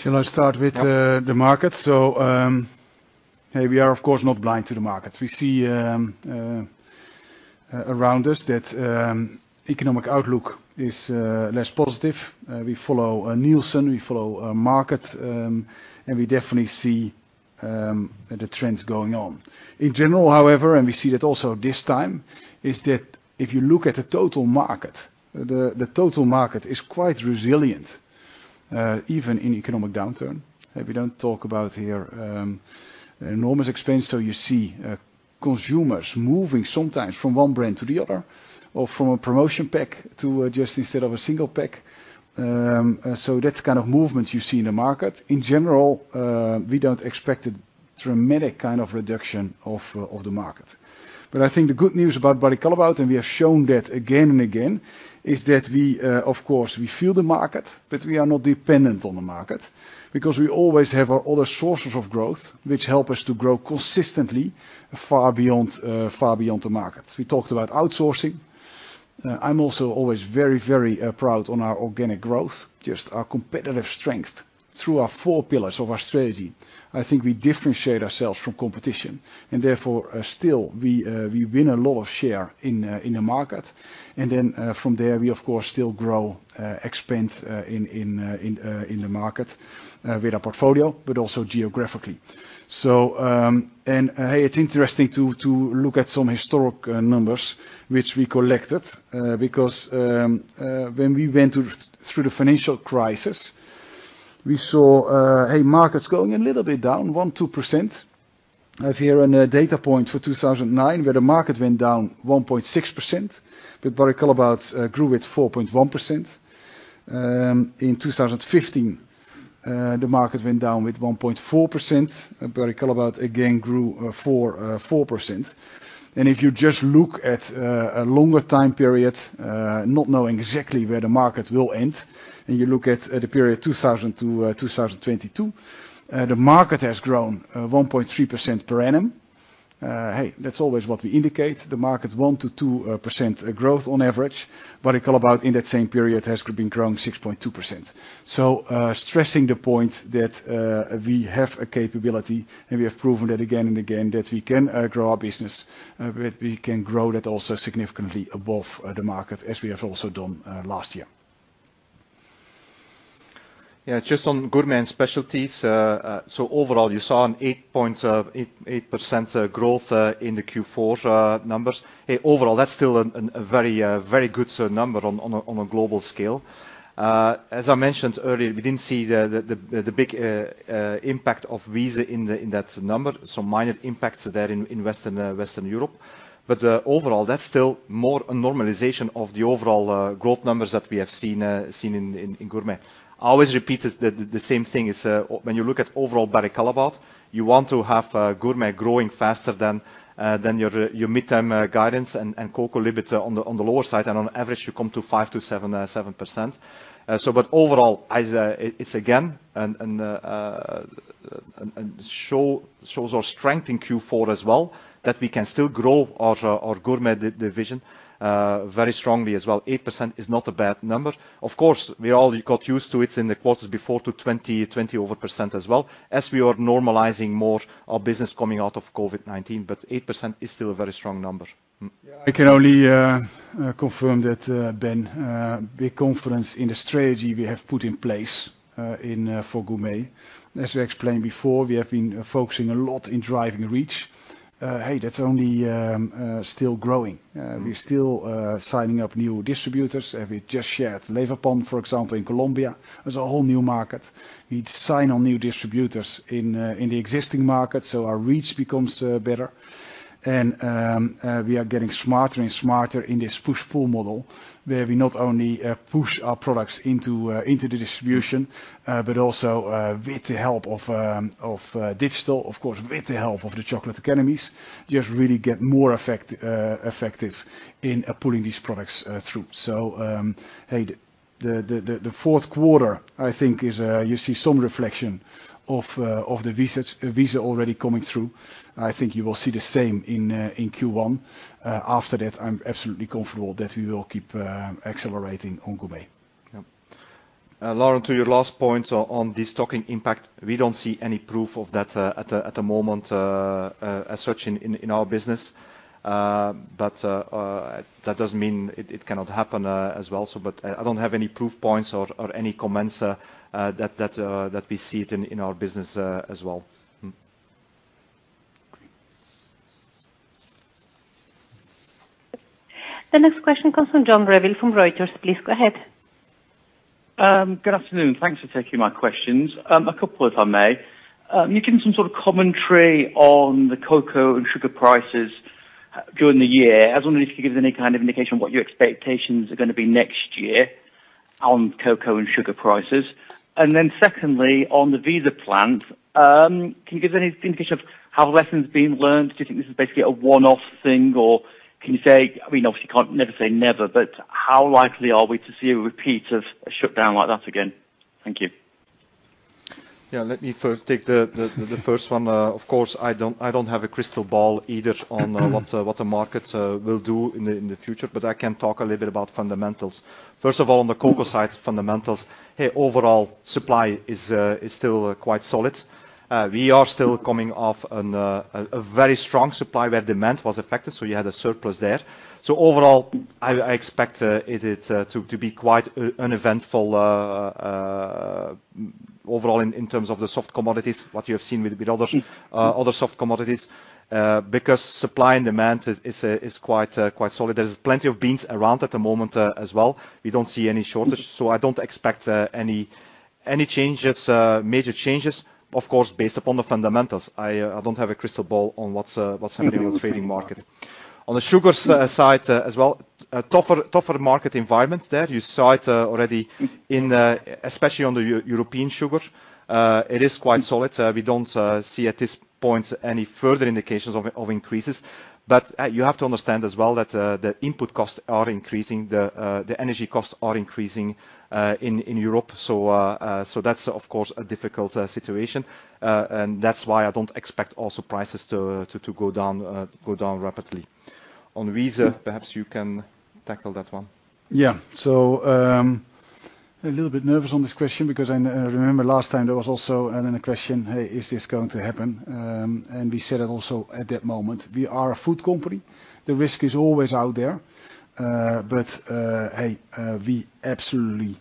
Shall I start with the market? Hey, we are of course not blind to the market. We see around us that economic outlook is less positive. We follow Nielsen, we follow market, and we definitely see the trends going on. In general, however, and we see that also this time, is that if you look at the total market, the total market is quite resilient even in economic downturn. We don't talk about here enormous expense. You see consumers moving sometimes from one brand to the other or from a promotion pack to just instead of a single pack. That's kind of movement you see in the market. In general, we don't expect a dramatic kind of reduction of the market. I think the good news about Barry Callebaut, and we have shown that again and again, is that we, of course, we feel the market, but we are not dependent on the market because we always have our other sources of growth which help us to grow consistently far beyond, far beyond the market. We talked about outsourcing. I'm also always very proud of our organic growth, just our competitive strength through our four pillars of our strategy. I think we differentiate ourselves from competition, and therefore, still we win a lot of share in the market. From there, we of course still expand in the market with our portfolio, but also geographically. It's interesting to look at some historic numbers which we collected because when we went through the financial crisis, we saw markets going a little bit down 1%-2%. I have here a data point for 2009, where the market went down 1.6%, but Barry Callebaut grew at 4.1%. In 2015, the market went down with 1.4%. Barry Callebaut again grew 4%. If you just look at a longer time period, not knowing exactly where the market will end, and you look at the period 2000-2022, the market has grown 1.3% per annum. Hey, that's always what we indicate. The market 1%-2% growth on average, but Barry Callebaut in that same period has been growing 6.2%. Stressing the point that we have a capability, and we have proven it again and again, that we can grow our business, that we can grow that also significantly above the market as we have also done last year. Just on Gourmet & Specialties. So overall, you saw an 8.8% growth in the Q4 numbers. Hey, overall, that's still a very good sort of number on a global scale. As I mentioned earlier, we didn't see the big impact of Wieze in that number. Some minor impacts there in Western Europe. Overall, that's still more a normalization of the overall growth numbers that we have seen in gourmet. I always repeat the same thing is when you look at overall Barry Callebaut, you want to have Gourmet growing faster than your midterm guidance, and cocoa a little bit on the lower side, and on average, you come to 5%-7%. Overall, as it again shows our strength in Q4 as well, that we can still grow our Gourmet division very strongly as well. 8% is not a bad number. Of course, we already got used to it in the quarters before to 20% over as well, as we are normalizing more our business coming out of COVID-19, but 8% is still a very strong number. I can only confirm that, Ben, big confidence in the strategy we have put in place in for gourmet. As we explained before, we have been focusing a lot in driving reach. Hey, that's only still growing. We're still signing up new distributors. As we just shared, Levapan, for example, in Colombia, is a whole new market. We sign on new distributors in the existing market, so our reach becomes better. We are getting smarter and smarter in this push-pull model, where we not only push our products into the distribution, but also, with the help of digital, of course, with the help of the chocolate academies, just really get more effective in pulling these products through. The fourth quarter, I think, is you see some reflection of the Wieze already coming through. I think you will see the same in Q1. After that, I'm absolutely comfortable that we will keep accelerating on Gourmet. Yeah. Lauren, to your last point on the stocking impact, we don't see any proof of that at the moment as such in our business. But that doesn't mean it cannot happen as well. But I don't have any proof points or any comments that we see it in our business as well. The next question comes from John Revill from Reuters. Please go ahead. Good afternoon. Thanks for taking my questions. A couple, if I may. You've given some sort of commentary on the cocoa and sugar prices during the year. I was wondering if you could give any kind of indication what your expectations are gonna be next year on cocoa and sugar prices. Then secondly, on the Wieze plant, can you give any indication of have lessons been learned? Do you think this is basically a one-off thing, or can you say, I mean, obviously you can't never say never, but how likely are we to see a repeat of a shutdown like that again? Thank you. Yeah. Let me first take the first one. Of course, I don't have a crystal ball either on what the market will do in the future, but I can talk a little bit about fundamentals. First of all, on the cocoa side fundamentals, overall supply is still quite solid. We are still coming off a very strong supply where demand was affected, so you had a surplus there. Overall, I expect it to be quite uneventful overall in terms of the soft commodities, what you have seen with other- Mm Other soft commodities, because supply and demand is quite solid. There's plenty of beans around at the moment, as well. We don't see any shortage. I don't expect any changes, major changes, of course, based upon the fundamentals. I don't have a crystal ball on what's happening on trading market. On the sugar side as well, a tougher market environment there. You saw it already in, especially on the European sugar. It is quite solid. We don't see at this point any further indications of increases. You have to understand as well that the input costs are increasing. The energy costs are increasing in Europe. That's of course a difficult situation. That's why I don't expect also prices to go down rapidly. On Wieze, perhaps you can tackle that one. A little bit nervous on this question because I remember last time there was also another question, "Hey, is this going to happen?" and we said it also at that moment, we are a food company. The risk is always out there. We absolutely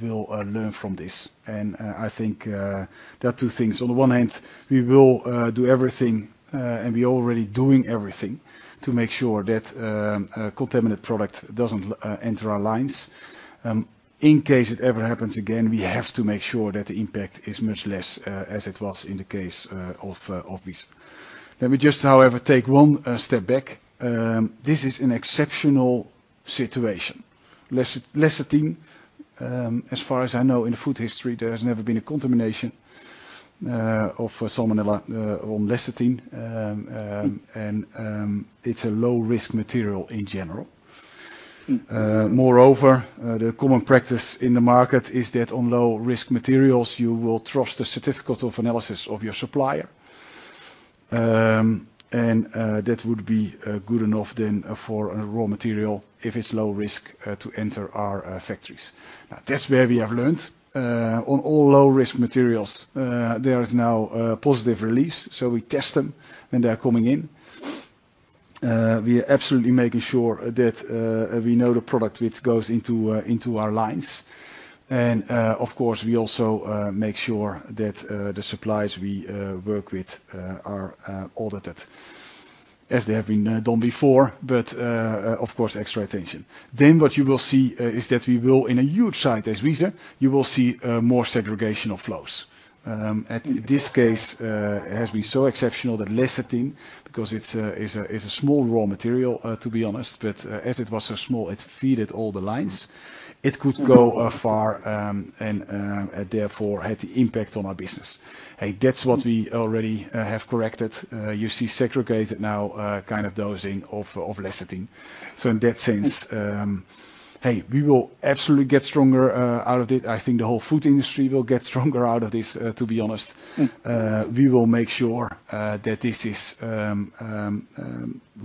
will learn from this. I think there are two things. On the one hand, we will do everything and we already doing everything to make sure that a contaminant product doesn't enter our lines. In case it ever happens again, we have to make sure that the impact is much less as it was in the case of Wieze. Let me just however take one step back. This is an exceptional situation. Lecithin, as far as I know in food history, there has never been a contamination of Salmonella on lecithin. It's a low-risk material in general. Moreover, the common practice in the market is that on low-risk materials, you will trust the certificates of analysis of your supplier. That would be good enough then for a raw material, if it's low risk, to enter our factories. Now, that's where we have learned, on all low risk materials, there is now a positive release, so we test them when they are coming in. We are absolutely making sure that we know the product which goes into our lines. Of course, we also make sure that the suppliers we work with are audited as they have been done before, but of course, extra attention. What you will see is that we will in a huge site as we see, you will see, more segregation of flows. In this case, it has been so exceptional that lecithin, because it's a small raw material, to be honest, but as it was so small, it fed all the lines. It could go afar, and therefore had the impact on our business. Hey, that's what we already have corrected. You see segregated now kind of dosing of lecithin. In that sense, hey, we will absolutely get stronger out of it. I think the whole food industry will get stronger out of this, to be honest. We will make sure that this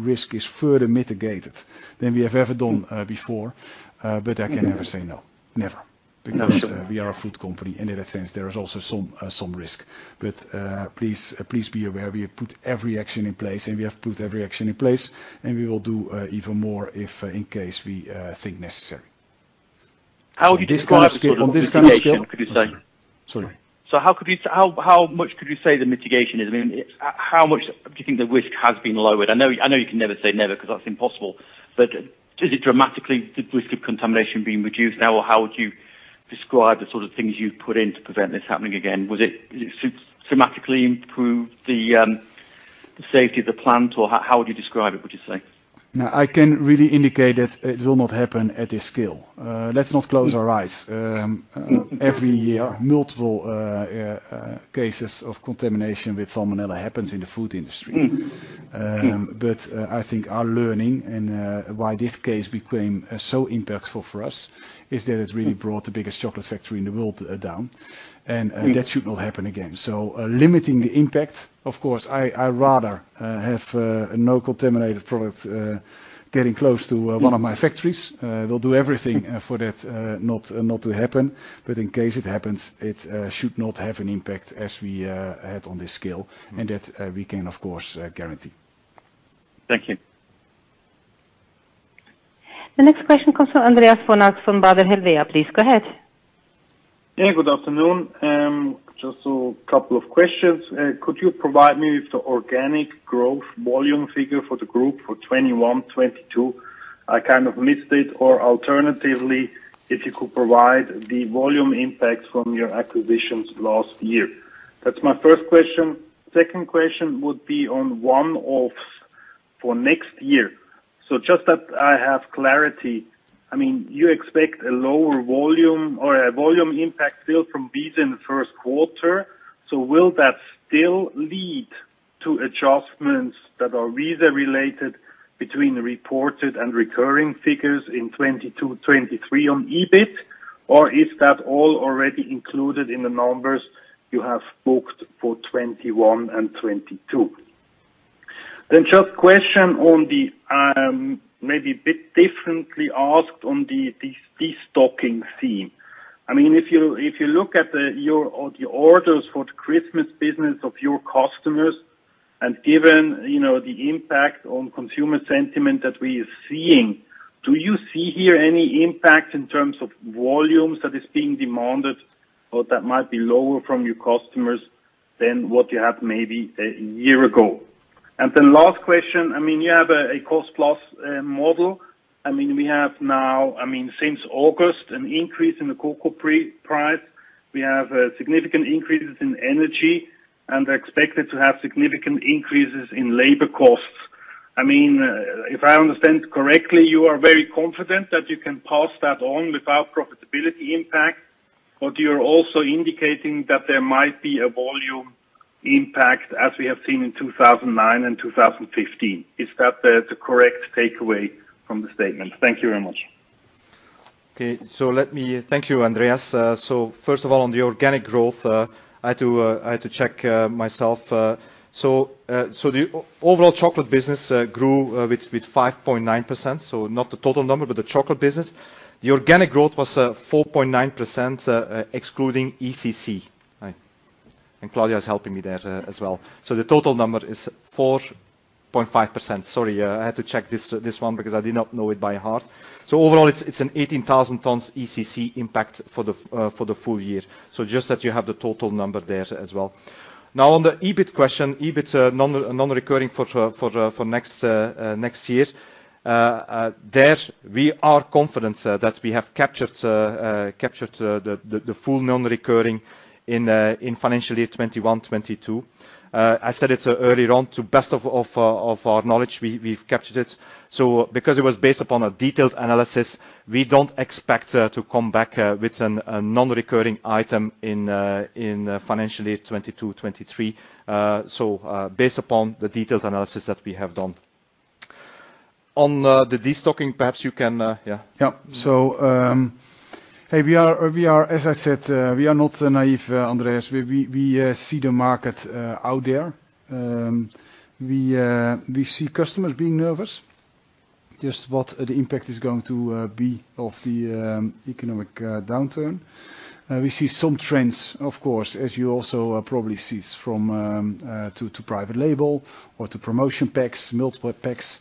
risk is further mitigated than we have ever done before. I can never say no. Never. No. Because we are a food company, and in that sense, there is also some risk. Please be aware, we have put every action in place, and we will do even more if in case we think necessary. How would you? On this kind of scale. Could you say? Sorry. How much could you say the mitigation is? I mean, how mch do you think the risk has been lowered? I know you can never say never 'cause that's impossible, but is it dramatically the risk of contamination being reduced now, or how would you describe the sort of things you've put in to prevent this happening again? Did it systematically improve the safety of the plant, or how would you describe it, would you say? No, I can really indicate it will not happen at this scale. Let's not close our eyes. Every year, multiple cases of contamination with Salmonella happens in the food industry. Mm. Mm. I think our learning and why this case became so impactful for us is that it really brought the biggest chocolate factory in the world down, and that should not happen again. Limiting the impact, of course, I rather have no contaminated products getting close to one of my factories. We'll do everything for that not to happen, but in case it happens, it should not have an impact as we had on this scale. That we can, of course, guarantee. Thank you. The next question comes from Andreas von Arx from Baader Helvea. Please go ahead. Yeah, good afternoon. Just a couple of questions. Could you provide me with the organic growth volume figure for the group for 2021/2022? I kind of missed it. Or alternatively, if you could provide the volume impact from your acquisitions last year. That's my first question. Second question would be on one-offs for next year. Just that I have clarity, I mean, you expect a lower volume or a volume impact still from Wieze in the first quarter. Will that still lead to adjustments that are Wieze-related between the reported and recurring figures in 2022/2023 on EBIT? Or is that all already included in the numbers you have booked for 2021 and 2022? Just question on the, maybe a bit differently asked on the stocking theme. I mean, if you look at your orders for the Christmas business of your customers, and given, you know, the impact on consumer sentiment that we are seeing, do you see any impact in terms of volumes that is being demanded or that might be lower from your customers than what you had maybe a year ago? Then last question, I mean, you have a cost-plus model. I mean, we have now since August an increase in the cocoa bean price. We have significant increases in energy and are expected to have significant increases in labor costs. I mean, if I understand correctly, you are very confident that you can pass that on without profitability impact. You're also indicating that there might be a volume impact as we have seen in 2009 and 2015. Is that the correct takeaway from the statement? Thank you very much. Okay. Let me thank you, Andreas. First of all, on the organic growth, I had to check myself. The overall chocolate business grew with 5.9%, so not the total number, but the chocolate business. The organic growth was 4.9%, excluding ECC. Right. Claudia is helping me there, as well. The total number is 4.5%. Sorry, I had to check this one because I did not know it by heart. Overall, it's an 18,000 tons ECC impact for the full year. Just that you have the total number there as well. Now on the EBIT question, EBIT non-recurring for next year. There we are confident that we have captured the full non-recurring items in financial year 2021/2022. I said it earlier on, to the best of our knowledge, we've captured it. Because it was based upon a detailed analysis We don't expect to come back with an non-recurring item in financial year 2022-2023, so based upon the detailed analysis that we have done. On the destocking, perhaps you can yeah. Yeah. As I said, we are not naive, Andreas. We see the market out there. We see customers being nervous, just what the impact is going to be of the economic downturn. We see some trends, of course, as you also probably sees from to private label or to promotion packs, multiple packs.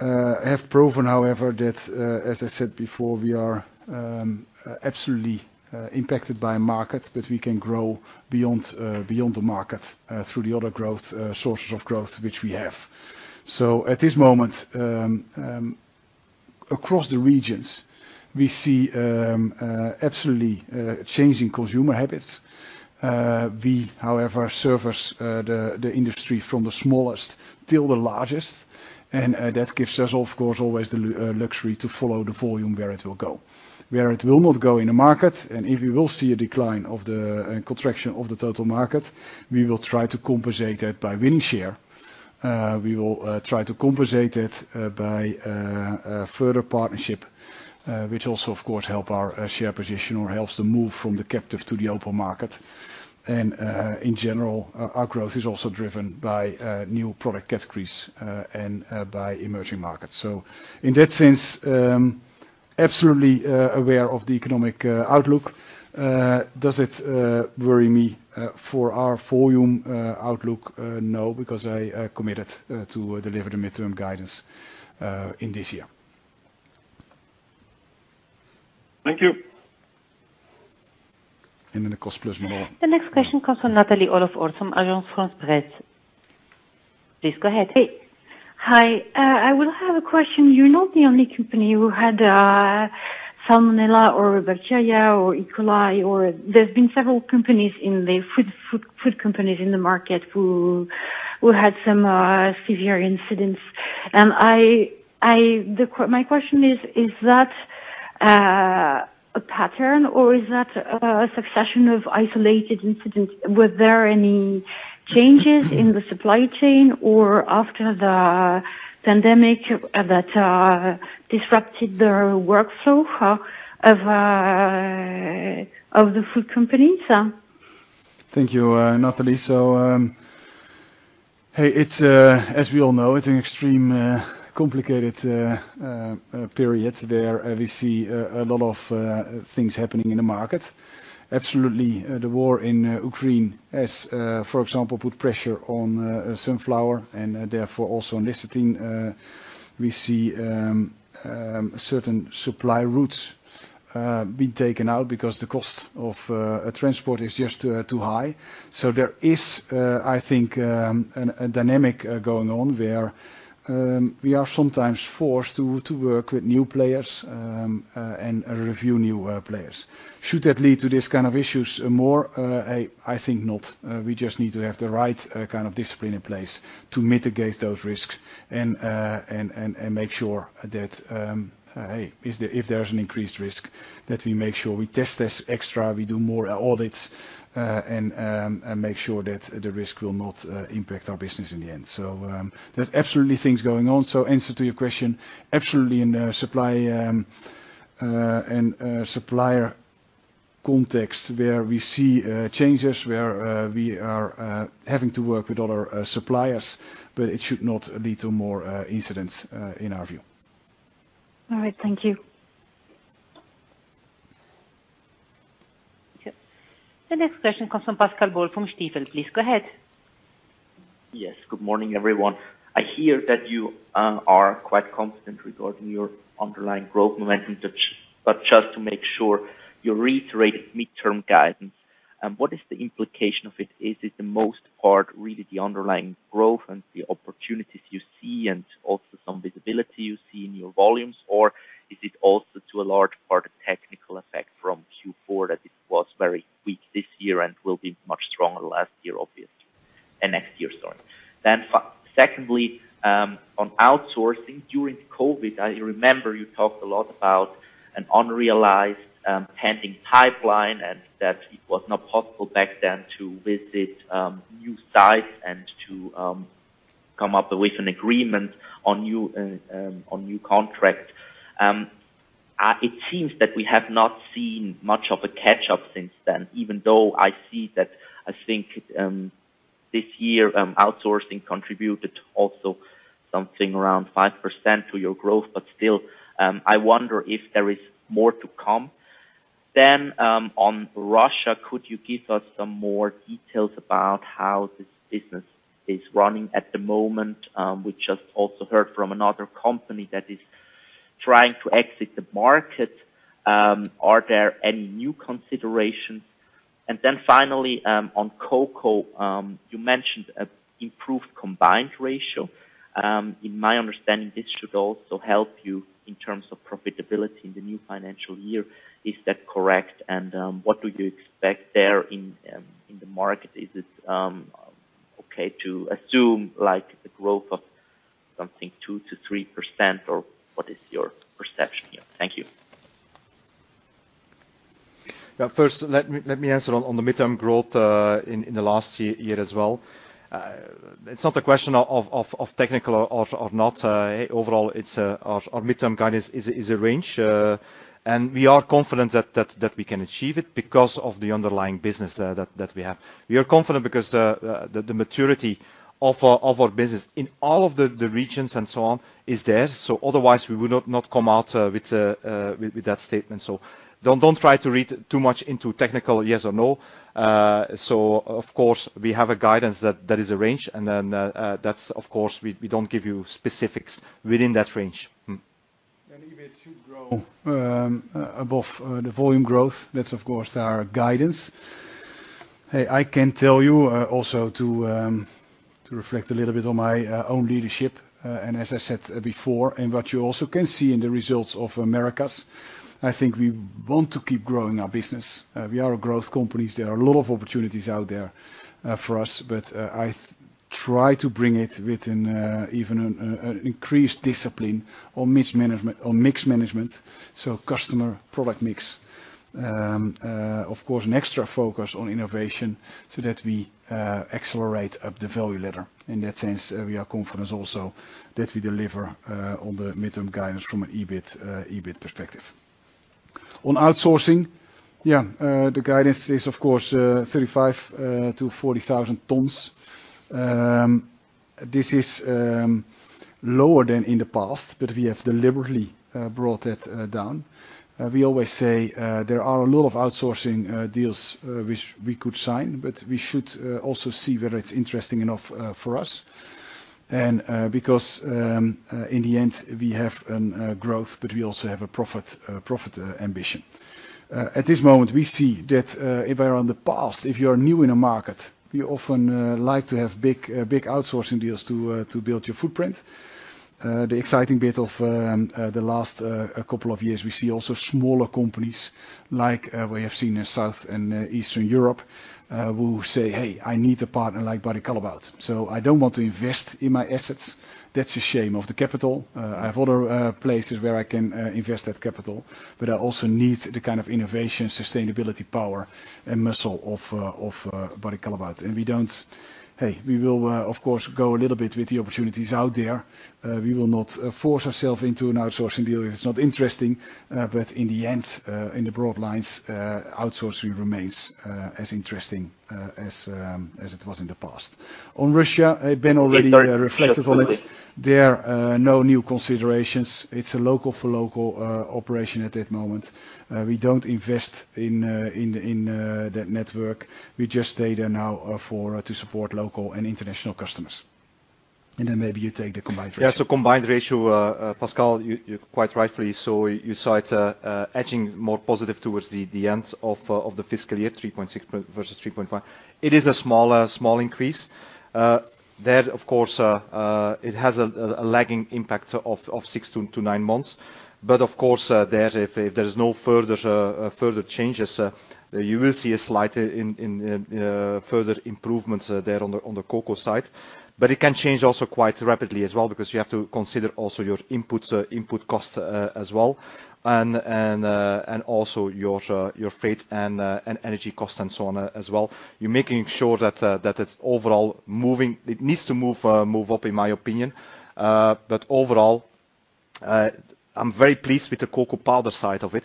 We have proven, however, that, as I said before, we are absolutely impacted by markets, but we can grow beyond the market through the other growth sources of growth which we have. At this moment, across the regions, we see absolutely changing consumer habits. We, however, service the industry from the smallest till the largest, and that gives us, of course, always the luxury to follow the volume where it will go. Where it will not go in a market, and if you will see a contraction of the total market, we will try to compensate that by winning share. We will try to compensate it by further partnership, which also of course help our share position or helps the move from the captive to the open market. In general, our growth is also driven by new product categories and by emerging markets. In that sense, absolutely aware of the economic outlook. Does it worry me for our volume outlook? No, because I committed to deliver the midterm guidance in this year. Thank you. The cost-plus model. The next question comes from Nathalie Olof-Ors from Agence France-Presse. Please go ahead. Hey. Hi. I would have a question. You're not the only company who had salmonella or bacteria or E. coli. There's been several companies in the food companies in the market who had some severe incidents. My question is that a pattern or is that a succession of isolated incidents? Were there any changes in the supply chain or after the pandemic that disrupted the workflow of the food companies? Thank you, Nathalie. As we all know, it's an extremely complicated period where we see a lot of things happening in the market. Absolutely, the war in Ukraine has, for example, put pressure on sunflower and therefore also on lecithin. We see certain supply routes being taken out because the cost of transport is just too high. There is, I think, a dynamic going on where we are sometimes forced to work with new players and are reviewing new players. Should that lead to these kind of issues more? I think not. We just need to have the right kind of discipline in place to mitigate those risks and make sure that if there's an increased risk, we make sure we test this extra, we do more audits, and make sure that the risk will not impact our business in the end. There's absolutely things going on. Answer to your question, absolutely in a supply and supplier context where we see changes, where we are having to work with other suppliers, but it should not lead to more incidents in our view. All right. Thank you. The next question comes from Pascal Boll from Stifel. Please go ahead. Yes. Good morning, everyone. I hear that you are quite confident regarding your underlying growth momentum, but just to make sure, you reiterated midterm guidance, and what is the implication of it? Is it for the most part really the underlying growth and the opportunities you see and also some visibility you see in your volumes? Or is it also to a large part a technical effect from Q4 that it was very weak this year and will be much stronger last year, obviously, and next year, sorry. Secondly, on outsourcing, during COVID, I remember you talked a lot about an unrealized pending pipeline and that it was not possible back then to visit new sites and to come up with an agreement on new contract. It seems that we have not seen much of a catch-up since then, even though I see that I think this year outsourcing contributed also something around 5% to your growth. Still, I wonder if there is more to come. On Russia, could you give us some more details about how this business is running at the moment? We just also heard from another company that is trying to exit the market. Are there any new considerations? Finally, on cocoa, you mentioned an improved combined ratio. In my understanding, this should also help you in terms of profitability in the new financial year. Is that correct? What do you expect there in the market? Is it okay to assume, like, the growth of something 2%-3%, or what is your perception here? Thank you. Yeah. First let me answer on the midterm growth in the last year as well. It's not a question of technical or not. Overall, it's our midterm guidance is a range, and we are confident that we can achieve it because of the underlying business that we have. We are confident because the maturity of our business in all of the regions and so on is there, so otherwise we would not come out with that statement. Don't try to read too much into technical yes or no. Of course we have a guidance that is a range, and then that's of course we don't give you specifics within that range. EBIT should grow above the volume growth. That's of course our guidance. Hey, I can tell you also to reflect a little bit on my own leadership, and as I said before, and what you also can see in the results of Americas, I think we want to keep growing our business. We are a growth company. There are a lot of opportunities out there for us. I try to bring it with an even an increased discipline on mix management, so customer product mix. Of course an extra focus on innovation so that we accelerate up the value ladder. In that sense, we are confident also that we deliver on the midterm guidance from an EBIT perspective. On outsourcing, the guidance is of course 35,000-40,000 tons. This is lower than in the past, but we have deliberately brought that down. We always say there are a lot of outsourcing deals which we could sign, but we should also see whether it's interesting enough for us. Because in the end, we have growth, but we also have a profit ambition. At this moment, we see that in the past, if you're new in a market, you often like to have big outsourcing deals to build your footprint. The exciting bit of the last couple of years, we see also smaller companies like we have seen in South and Eastern Europe, who say, "Hey, I need a partner like Barry Callebaut, so I don't want to invest in my assets. That's a waste of the capital. I have other places where I can invest that capital, but I also need the kind of innovation, sustainability, power and muscle of Barry Callebaut." Hey, we will of course go a little bit with the opportunities out there. We will not force ourselves into an outsourcing deal if it's not interesting. In the end, in the broad lines, outsourcing remains as interesting as it was in the past. On Russia, Ben already reflected on it. There are no new considerations. It's a local for local operation at that moment. We don't invest in that network. We just stay there now for to support local and international customers. Maybe you take the combined ratio. Combined ratio, Pascal, you quite rightfully so you saw it edging more positive towards the end of the fiscal year, 3.6 versus 3.5. It is a small increase. That of course it has a lagging impact of six to nine months. Of course there, if there is no further changes, you will see a slight in further improvements there on the cocoa side. It can change also quite rapidly as well, because you have to consider also your inputs, input costs, as well, and also your freight and energy costs and so on as well. You're making sure that that it's overall moving. It needs to move up in my opinion. Overall, I'm very pleased with the cocoa powder side of it.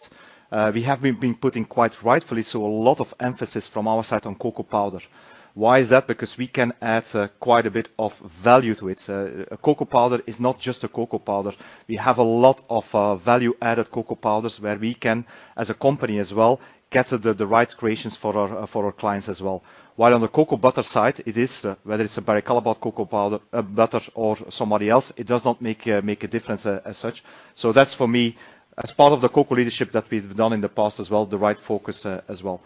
We have been putting quite rightfully so a lot of emphasis from our side on cocoa powder. Why is that? Because we can add quite a bit of value to it. A cocoa powder is not just a cocoa powder. We have a lot of value-added cocoa powders where we can, as a company as well, get the right creations for our clients as well. While on the cocoa butter side, it is whether it's a Barry Callebaut cocoa powder, butter or somebody else, it does not make a difference as such. That's for me, as part of the cocoa leadership that we've done in the past as well, the right focus as well.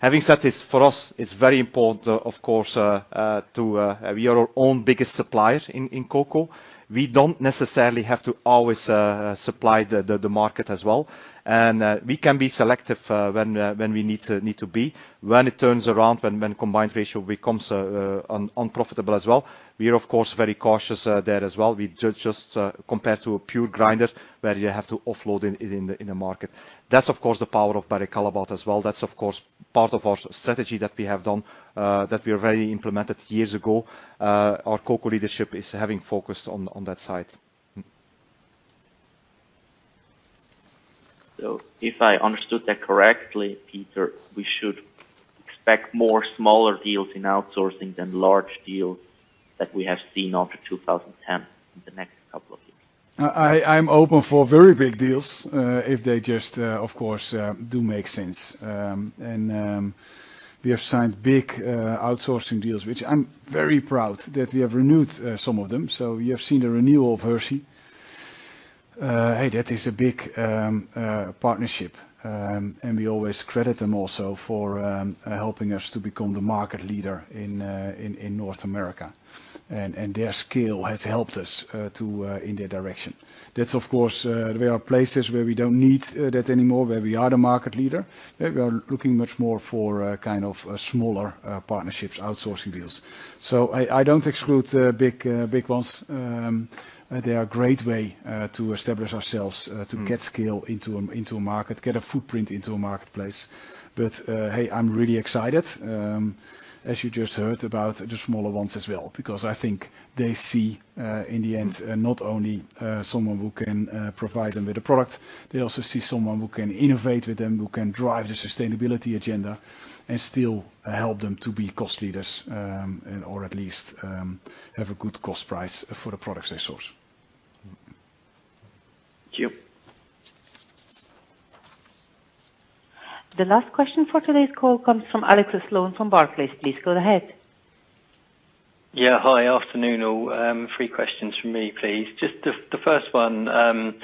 Having said this, for us, it's very important of course we are our own biggest supplier in cocoa. We don't necessarily have to always supply the market as well. We can be selective when we need to be. When it turns around, when combined ratio becomes unprofitable as well, we are of course very cautious there as well. We just compare to a pure grinder where you have to offload in the market. That's of course the power of Barry Callebaut as well. That's of course part of our strategy that we have done that we already implemented years ago. Our cocoa leadership is having focused on that side. If I understood that correctly, Peter, we should expect more smaller deals in outsourcing than large deals that we have seen after 2010 in the next couple of years. I'm open for very big deals if they just of course do make sense. We have signed big outsourcing deals, which I'm very proud that we have renewed some of them. You have seen the renewal of Hershey. Hey, that is a big partnership. We always credit them also for helping us to become the market leader in North America. Their scale has helped us too in that direction. That's of course, there are places where we don't need that anymore, where we are the market leader. There we are looking much more for kind of smaller partnerships, outsourcing deals. I don't exclude big ones. They are a great way to establish ourselves to get scale into a market, get a footprint into a marketplace. Hey, I'm really excited, as you just heard about the smaller ones as well, because I think they see, in the end, not only someone who can provide them with a product, they also see someone who can innovate with them, who can drive the sustainability agenda and still help them to be cost leaders, or at least have a good cost price for the products they source. Thank you. The last question for today's call comes from Alex Sloane from Barclays. Please go ahead. Hi. Afternoon, all. Three questions from me, please. Just the first one,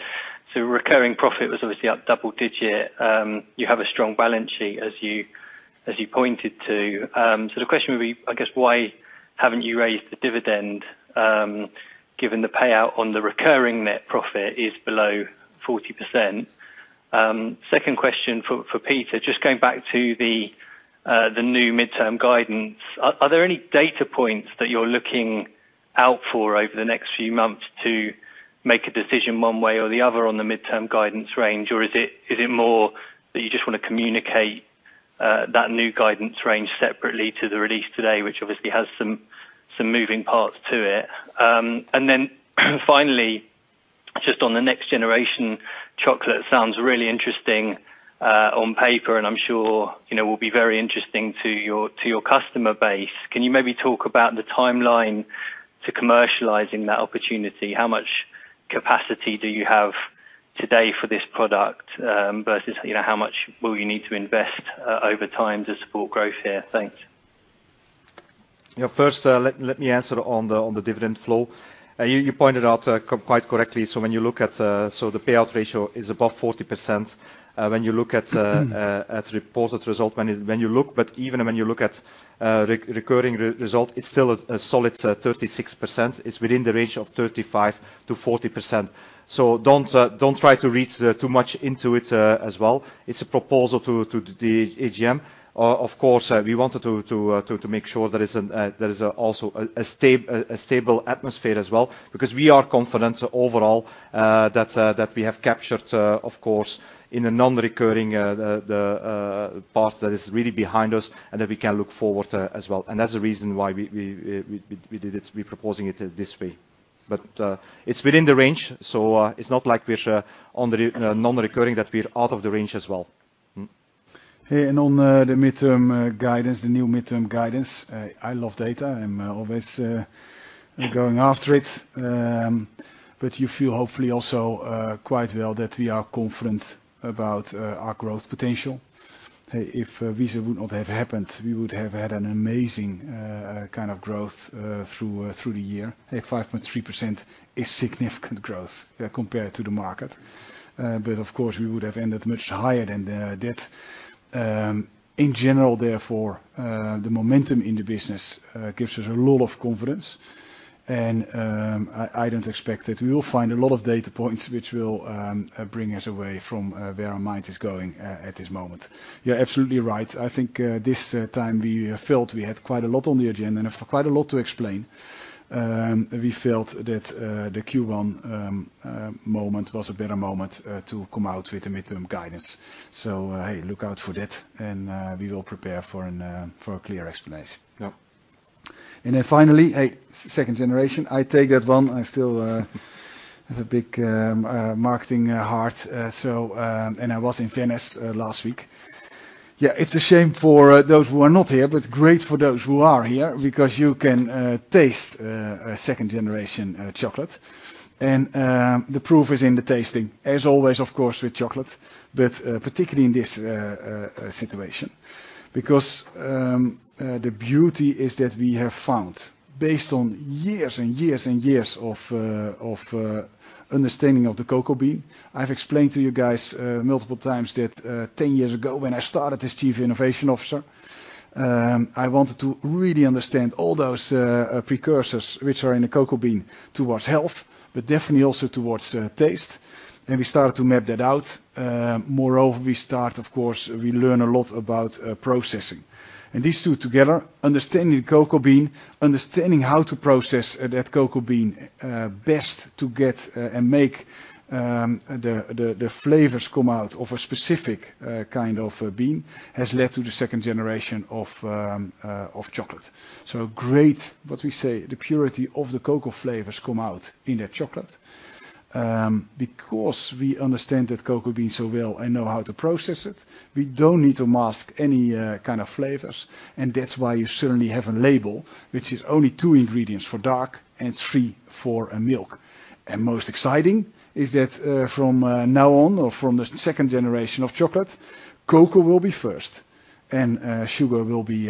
recurring profit was obviously up double digit. You have a strong balance sheet as you pointed to. The question would be, I guess, why haven't you raised the dividend, given the payout on the recurring net profit is below 40%? Second question for Peter, just going back to the new midterm guidance. Are there any data points that you're looking out for over the next few months to make a decision one way or the other on the midterm guidance range, or is it more that you just wanna communicate that new guidance range separately to the release today, which obviously has some moving parts to it? Then finally, just on the next generation chocolate. Sounds really interesting on paper, and I'm sure you know will be very interesting to your customer base. Can you maybe talk about the timeline to commercializing that opportunity? How much capacity do you have today for this product versus you know how much will you need to invest over time to support growth here? Thanks. You know, first, let me answer on the dividend flow. You pointed out quite correctly. When you look at reported result, but even when you look at recurring result, it's still a solid 36%. It's within the range of 35%-40%. Don't try to read too much into it as well. It's a proposal to the AGM. Of course, we wanted to make sure there is also a stable atmosphere as well, because we are confident overall that we have captured, of course, in a non-recurring the path that is really behind us and that we can look forward to as well. That's the reason why we did it, we're proposing it this way. It's within the range, it's not like we're on the non-recurring that we're out of the range as well. Yeah. On the midterm guidance, the new midterm guidance, I love data. I'm always going after it. You feel hopefully also quite well that we are confident about our growth potential. If Wieze would not have happened, we would have had an amazing kind of growth through the year. 5.3% is significant growth compared to the market. Of course, we would have ended much higher than that. In general, therefore, the momentum in the business gives us a lot of confidence, and I don't expect that we will find a lot of data points which will bring us away from where our mind is going at this moment. You're absolutely right. I think this time we felt we had quite a lot on the agenda and quite a lot to explain. We felt that the Q1 moment was a better moment to come out with the midterm guidance. Hey, look out for that and we will prepare for a clear explanation. Yeah. Then finally, second generation. I take that one. I still have a big marketing heart. I was in Venice last week. Yeah, it's a shame for those who are not here, but great for those who are here because you can taste a second generation chocolate. The proof is in the tasting, as always, of course, with chocolate, but particularly in this situation. Because the beauty is that we have found based on years and years and years of understanding of the cocoa bean. I've explained to you guys multiple times that ten years ago, when I started as chief innovation officer, I wanted to really understand all those precursors which are in the cocoa bean towards health, but definitely also towards taste. We started to map that out. Moreover, we learn a lot about processing. These two together, understanding the cocoa bean, understanding how to process that cocoa bean best to get and make the flavors come out of a specific kind of a bean, has led to the second generation of chocolate. Great what we say, the purity of the cocoa flavors come out in that chocolate. Because we understand that cocoa bean so well and know how to process it, we don't need to mask any kind of flavors. That's why you certainly have a label, which is only two ingredients for dark and three for a milk. Most exciting is that from now on or from the second generation of chocolate, cocoa will be first and sugar will be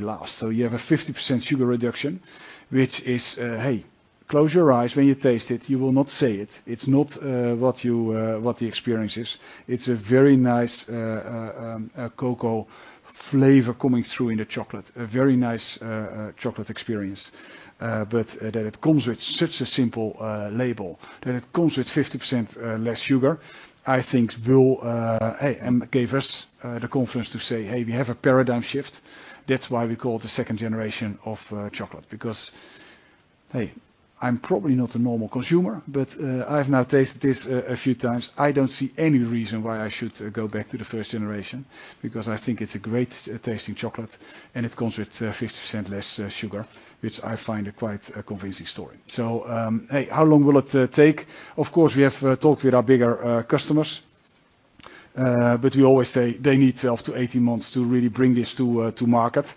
last. You have a 50% sugar reduction, which is, hey, close your eyes when you taste it, you will not see it. It's not what the experience is. It's a very nice cocoa flavor coming through in the chocolate. A very nice chocolate experience. That it comes with such a simple label, that it comes with 50% less sugar, I think will, hey, and gave us the confidence to say, "Hey, we have a paradigm shift." That's why we call it the second generation of chocolate. Because, hey, I'm probably not a normal consumer, but, I've now tasted this a few times. I don't see any reason why I should go back to the first generation, because I think it's a great tasting chocolate and it comes with 50% less sugar, which I find quite a convincing story. Hey, how long will it take? Of course, we have talked with our bigger customers, but we always say they need 12-18 months to really bring this to market.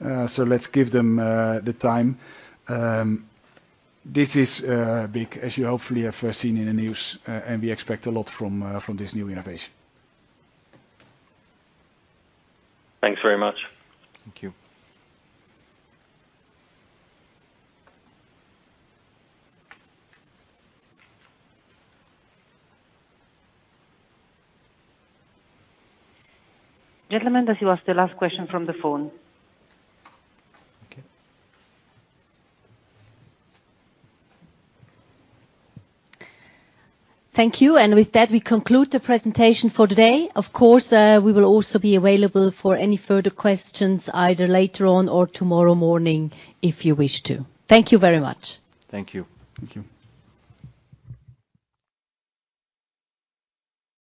Let's give them the time. This is big as you hopefully have seen in the news. We expect a lot from this new innovation. Thanks very much. Thank you. Gentlemen, that was the last question from the phone. Okay. Thank you. With that, we conclude the presentation for today. Of course, we will also be available for any further questions either later on or tomorrow morning if you wish to. Thank you very much. Thank you. Thank you.